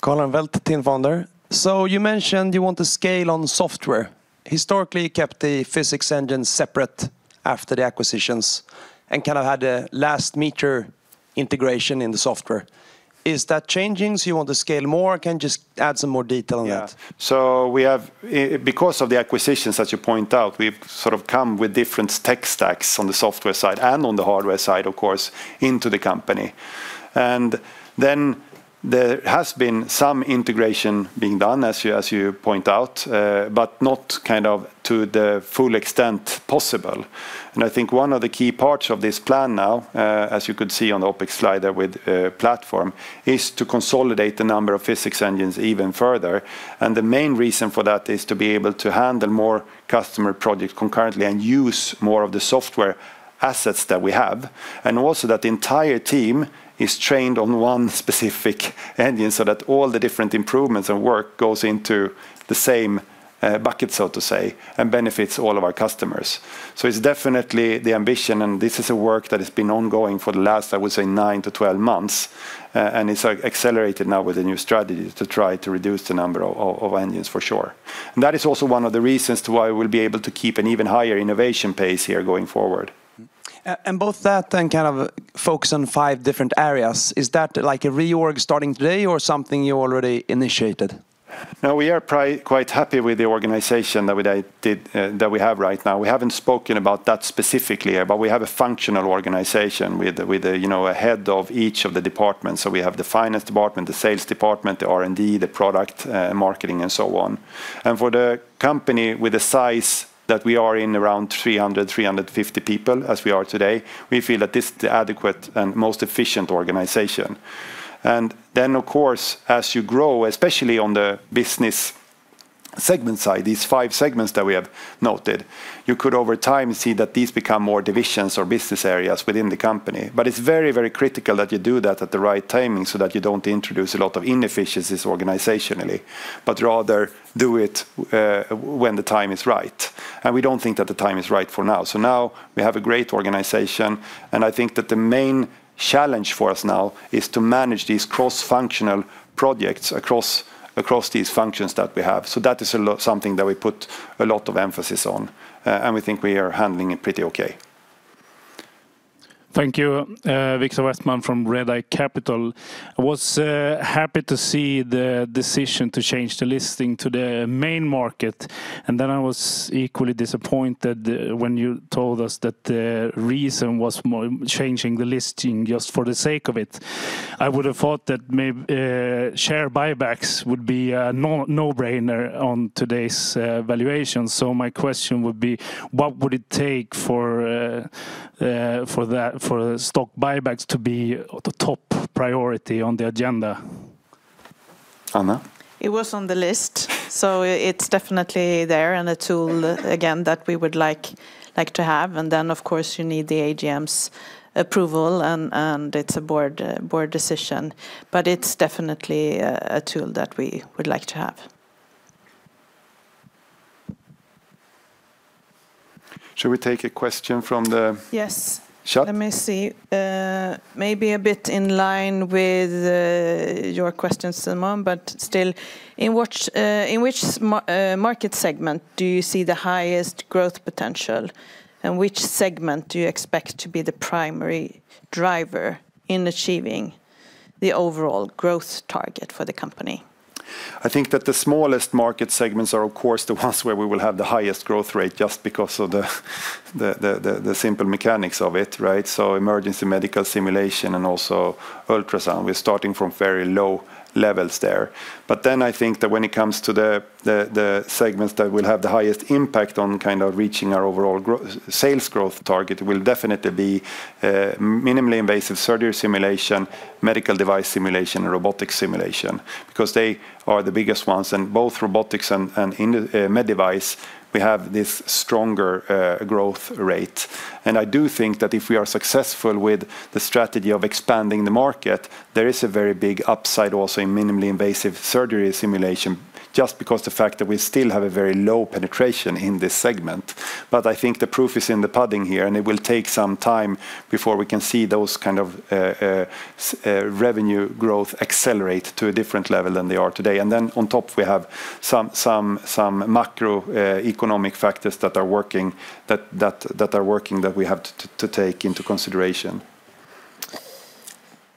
Carl Armfelt, TIN Fonder. You mentioned you want to scale on software. Historically, you kept the physics engine separate after the acquisitions and kind of had a last meter integration in the software. Is that changing? You want to scale more? Can you just add some more detail on that? Yeah. We have, because of the acquisitions that you point out, we've sort of come with different tech stacks on the software side and on the hardware side, of course, into the company. And then there has been some integration being done, as you point out, but not kind of to the full extent possible. I think one of the key parts of this plan now, as you could see on the OpEx slide with platform, is to consolidate the number of physics engines even further. The main reason for that is to be able to handle more customer projects concurrently and use more of the software assets that we have. Also, the entire team is trained on one specific engine so that all the different improvements and work goes into the same bucket, so to say, and benefits all of our customers. It's definitely the ambition, and this is a work that has been ongoing for the last, I would say, nine to 12 months. It's accelerated now with a new strategy to try to reduce the number of engines, for sure. That is also one of the reasons to why we'll be able to keep an even higher innovation pace here going forward. Both that and kind of focus on five different areas, is that like a reorg starting today or something you already initiated? No, we are quite happy with the organization that we have right now. We haven't spoken about that specifically here, but we have a functional organization with a head of each of the departments. So we have the finance department, the sales department, the R&D, the product marketing, and so on. For the company with the size that we are in, around 300-350 people as we are today, we feel that this is the adequate and most efficient organization. Then, of course, as you grow, especially on the business segment side, these five segments that we have noted, you could over time see that these become more divisions or business areas within the company. It's very, very critical that you do that at the right timing so that you don't introduce a lot of inefficiencies organizationally, but rather do it when the time is right. We don't think that the time is right for now. Now we have a great organization, and I think that the main challenge for us now is to manage these cross-functional projects across these functions that we have. That is something that we put a lot of emphasis on, and we think we are handling it pretty okay. Thank you. Viktor Westman from Redeye Capital. I was happy to see the decision to change the listing to the main market, and then I was equally disappointed when you told us that the reason was changing the listing just for the sake of it. I would have thought that share buybacks would be a no-brainer on today's valuation. So my question would be, what would it take for stock buybacks to be the top priority on the agenda? Anna? It was on the list, so it's definitely there and a tool, again, that we would like to have. And then, of course, you need the AGM's approval, and it's a board decision. But it's definitely a tool that we would like to have. Shall we take a question from the chat? Yes. Let me see. Maybe a bit in line with your questions, Simon, but still, in which market segment do you see the highest growth potential, and which segment do you expect to be the primary driver in achieving the overall growth target for the company? I think that the smallest market segments are, of course, the ones where we will have the highest growth rate just because of the simple mechanics of it, right? So emergency medical simulation and also ultrasound. We're starting from very low levels there. But then I think that when it comes to the segments that will have the highest impact on kind of reaching our overall sales growth target, it will definitely be minimally invasive surgery simulation, medical device simulation, and robotics simulation because they are the biggest ones. And both robotics and med device, we have this stronger growth rate. I do think that if we are successful with the strategy of expanding the market, there is a very big upside also in minimally invasive surgery simulation just because of the fact that we still have a very low penetration in this segment. But I think the proof is in the pudding here, and it will take some time before we can see those kind of revenue growth accelerate to a different level than they are today. On top, we have some macroeconomic factors that are working that we have to take into consideration.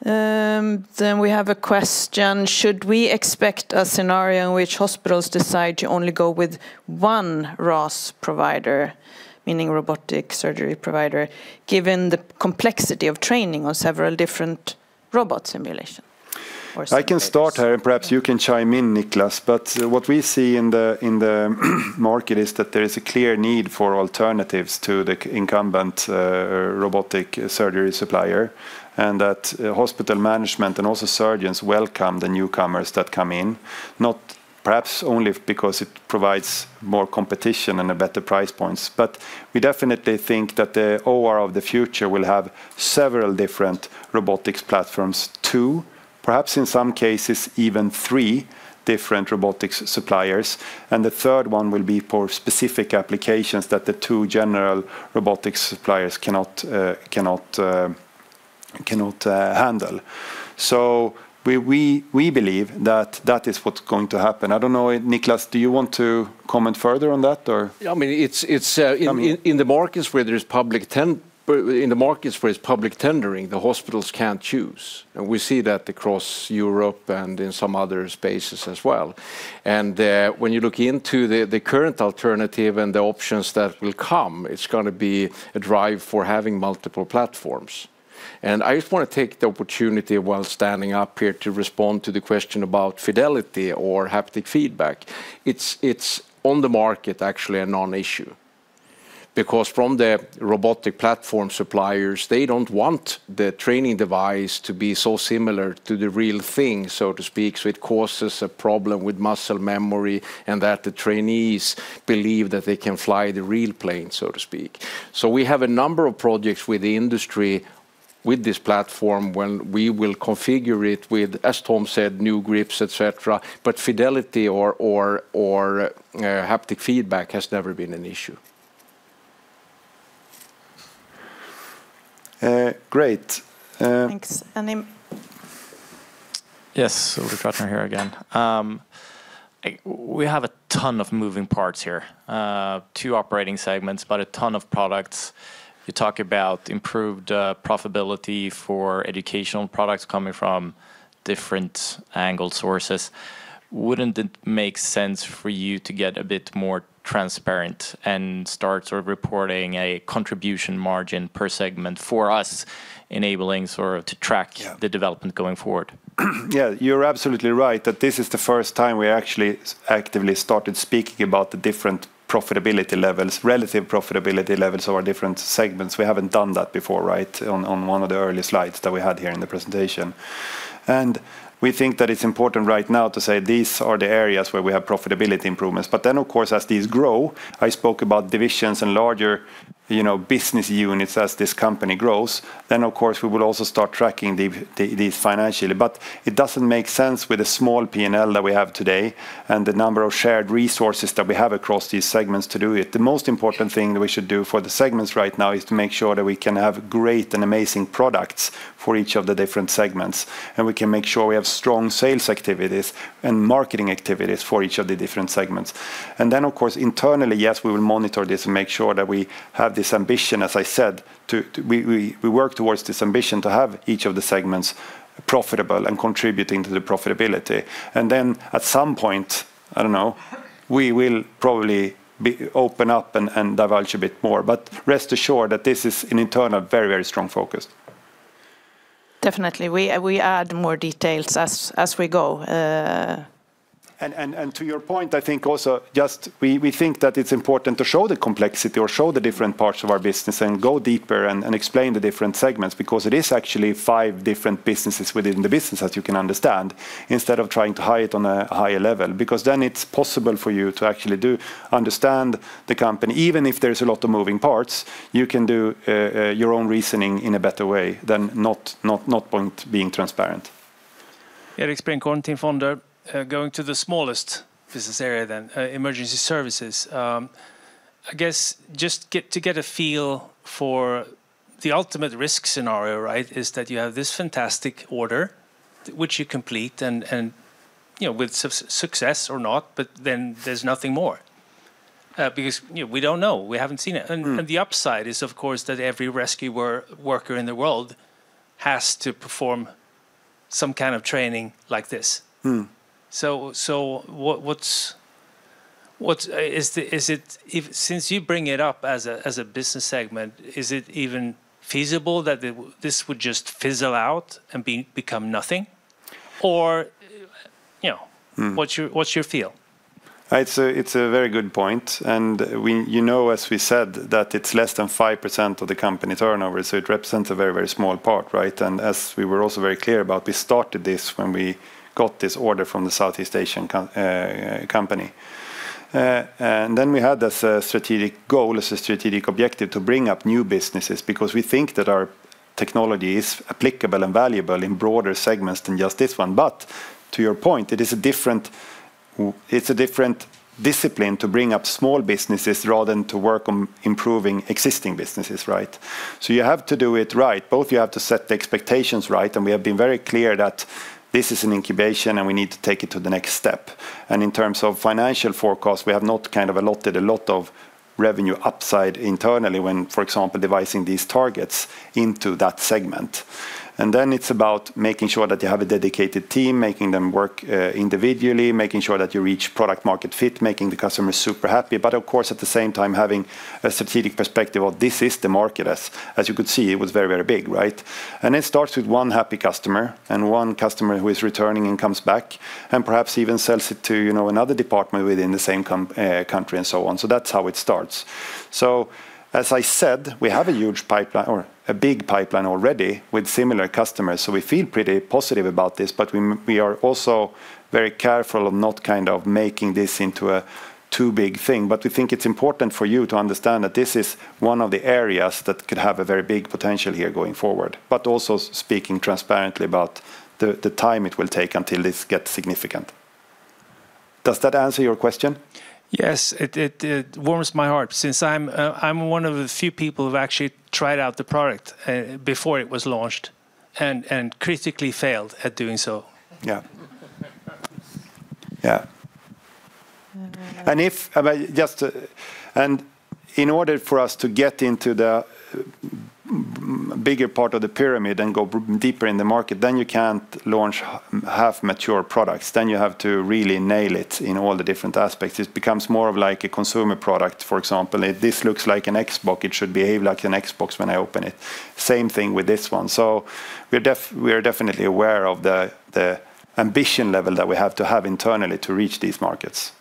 We have a question. Should we expect a scenario in which hospitals decide to only go with one RAS provider, meaning robotic surgery provider, given the complexity of training on several different robot simulations? I can start here, and perhaps you can chime in, Niclas. But what we see in the market is that there is a clear need for alternatives to the incumbent robotic surgery supplier and that hospital management and also surgeons welcome the newcomers that come in, not perhaps only because it provides more competition and better price points, but we definitely think that the OR of the future will have several different robotics platforms, two, perhaps in some cases even three different robotics suppliers. And the third one will be for specific applications that the two general robotics suppliers cannot handle. So we believe that that is what's going to happen. I don't know, Niclas, do you want to comment further on that or? Yeah, I mean, in the markets where there is public tender, in the markets where it's public tendering, the hospitals can't choose. And we see that across Europe and in some other spaces as well. When you look into the current alternative and the options that will come, it's going to be a drive for having multiple platforms. I just want to take the opportunity while standing up here to respond to the question about fidelity or haptic feedback. It's on the market, actually, a non-issue because from the robotic platform suppliers, they don't want the training device to be so similar to the real thing, so to speak. It causes a problem with muscle memory and that the trainees believe that they can fly the real plane, so to speak. We have a number of projects with the industry with this platform when we will configure it with, as Tom said, new grips, etc. Fidelity or haptic feedback has never been an issue. Great. Thanks. Yes, we've gotten here again. We have a ton of moving parts here, two operating segments, but a ton of products. You talk about improved profitability for Educational Products coming from different angles or sources. Wouldn't it make sense for you to get a bit more transparent and start sort of reporting a contribution margin per segment for us, enabling sort of to track the development going forward? Yeah, you're absolutely right that this is the first time we actually actively started speaking about the different profitability levels, relative profitability levels of our different segments. We haven't done that before, right, on one of the early slides that we had here in the presentation. And we think that it's important right now to say these are the areas where we have profitability improvements. But then, of course, as these grow, I spoke about divisions and larger business units as this company grows. Then, of course, we will also start tracking these financially. But it doesn't make sense with a small P&L that we have today and the number of shared resources that we have across these segments to do it. The most important thing that we should do for the segments right now is to make sure that we can have great and amazing products for each of the different segments, and we can make sure we have strong sales activities and marketing activities for each of the different segments. And then, of course, internally, yes, we will monitor this and make sure that we have this ambition, as I said, to work towards this ambition to have each of the segments profitable and contributing to the profitability. And then at some point, I don't know, we will probably open up and divulge a bit more. But rest assured that this is an internal very, very strong focus. Definitely. We add more details as we go. And to your point, I think also just we think that it's important to show the complexity or show the different parts of our business and go deeper and explain the different segments because it is actually five different businesses within the business, as you can understand, instead of trying to hide it on a higher level because then it's possible for you to actually understand the company. Even if there's a lot of moving parts, you can do your own reasoning in a better way than not being transparent. Erik Sprinchorn, TIN Fonder, going to the smallest business area then, Emergency Services. I guess just to get a feel for the ultimate risk scenario, right, is that you have this fantastic order, which you complete with success or not, but then there's nothing more because we don't know. We haven't seen it, and the upside is, of course, that every rescue worker in the world has to perform some kind of training like this, so since you bring it up as a business segment, is it even feasible that this would just fizzle out and become nothing? Or what's your feel? It's a very good point, and you know, as we said, that it's less than 5% of the company turnover, so it represents a very, very small part, right, and as we were also very clear about, we started this when we got this order from the Southeast Asian company. And then we had a strategic goal, a strategic objective to bring up new businesses because we think that our technology is applicable and valuable in broader segments than just this one. But to your point, it is a different discipline to bring up small businesses rather than to work on improving existing businesses, right? So you have to do it right. Both you have to set the expectations right, and we have been very clear that this is an incubation and we need to take it to the next step. And in terms of financial forecast, we have not kind of allotted a lot of revenue upside internally when, for example, devising these targets into that segment. And then it's about making sure that you have a dedicated team, making them work individually, making sure that you reach product-market fit, making the customer super happy. But of course, at the same time, having a strategic perspective of this is the market, as you could see, it was very, very big, right? And it starts with one happy customer and one customer who is returning and comes back and perhaps even sells it to another department within the same country and so on. So that's how it starts. So as I said, we have a huge pipeline or a big pipeline already with similar customers. So we feel pretty positive about this, but we are also very careful of not kind of making this into a too big thing. But we think it's important for you to understand that this is one of the areas that could have a very big potential here going forward, but also speaking transparently about the time it will take until this gets significant. Does that answer your question? Yes, it warms my heart since I'm one of the few people who have actually tried out the product before it was launched and critically failed at doing so. Yeah. Yeah, and in order for us to get into the bigger part of the pyramid and go deeper in the market, then you can't launch half-mature products. Then you have to really nail it in all the different aspects. It becomes more of like a consumer product, for example. This looks like an Xbox. It should behave like an Xbox when I open it. Same thing with this one. So we are definitely aware of the ambition level that we have to have internally to reach these markets.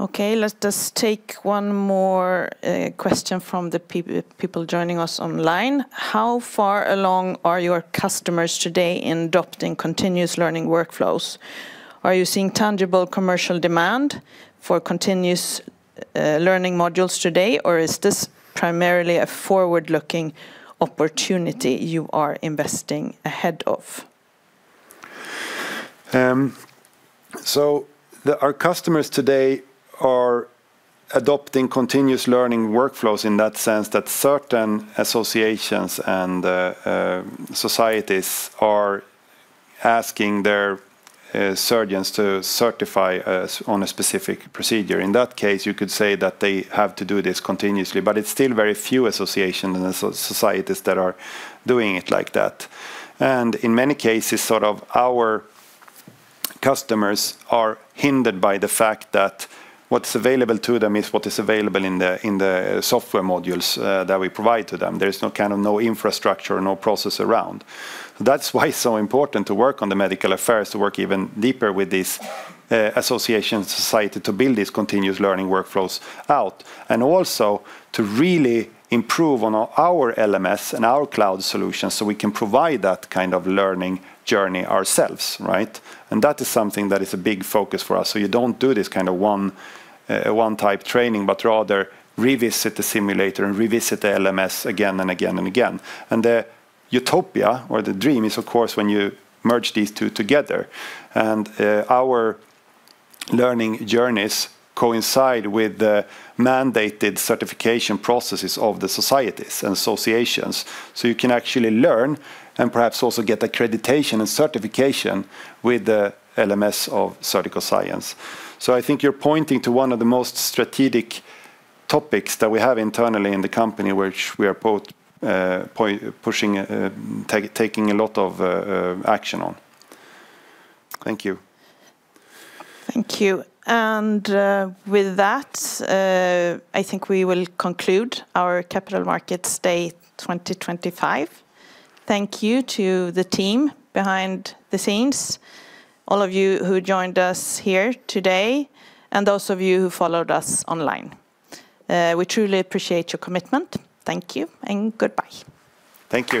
Okay, let's just take one more question from the people joining us online. How far along are your customers today in adopting continuous learning workflows? Are you seeing tangible commercial demand for continuous learning modules today, or is this primarily a forward-looking opportunity you are investing ahead of? So our customers today are adopting continuous learning workflows in that sense that certain associations and societies are asking their surgeons to certify us on a specific procedure. In that case, you could say that they have to do this continuously, but it's still very few associations and societies that are doing it like that. And in many cases, sort of our customers are hindered by the fact that what's available to them is what is available in the software modules that we provide to them. There is no kind of infrastructure or process around. That's why it's so important to work on the medical affairs, to work even deeper with these associations and societies to build these continuous learning workflows out and also to really improve on our LMS and our cloud solutions so we can provide that kind of learning journey ourselves, right? And that is something that is a big focus for us. So you don't do this kind of one-type training, but rather revisit the simulator and revisit the LMS again and again and again. And the utopia or the dream is, of course, when you merge these two together. And our learning journeys coincide with the mandated certification processes of the societies and associations. So you can actually learn and perhaps also get accreditation and certification with the LMS of Surgical Science. So I think you're pointing to one of the most strategic topics that we have internally in the company, which we are both pushing, taking a lot of action on. Thank you. Thank you. And with that, I think we will conclude our Capital Markets Day 2025. Thank you to the team behind the scenes, all of you who joined us here today, and those of you who followed us online. We truly appreciate your commitment. Thank you and goodbye. Thank you.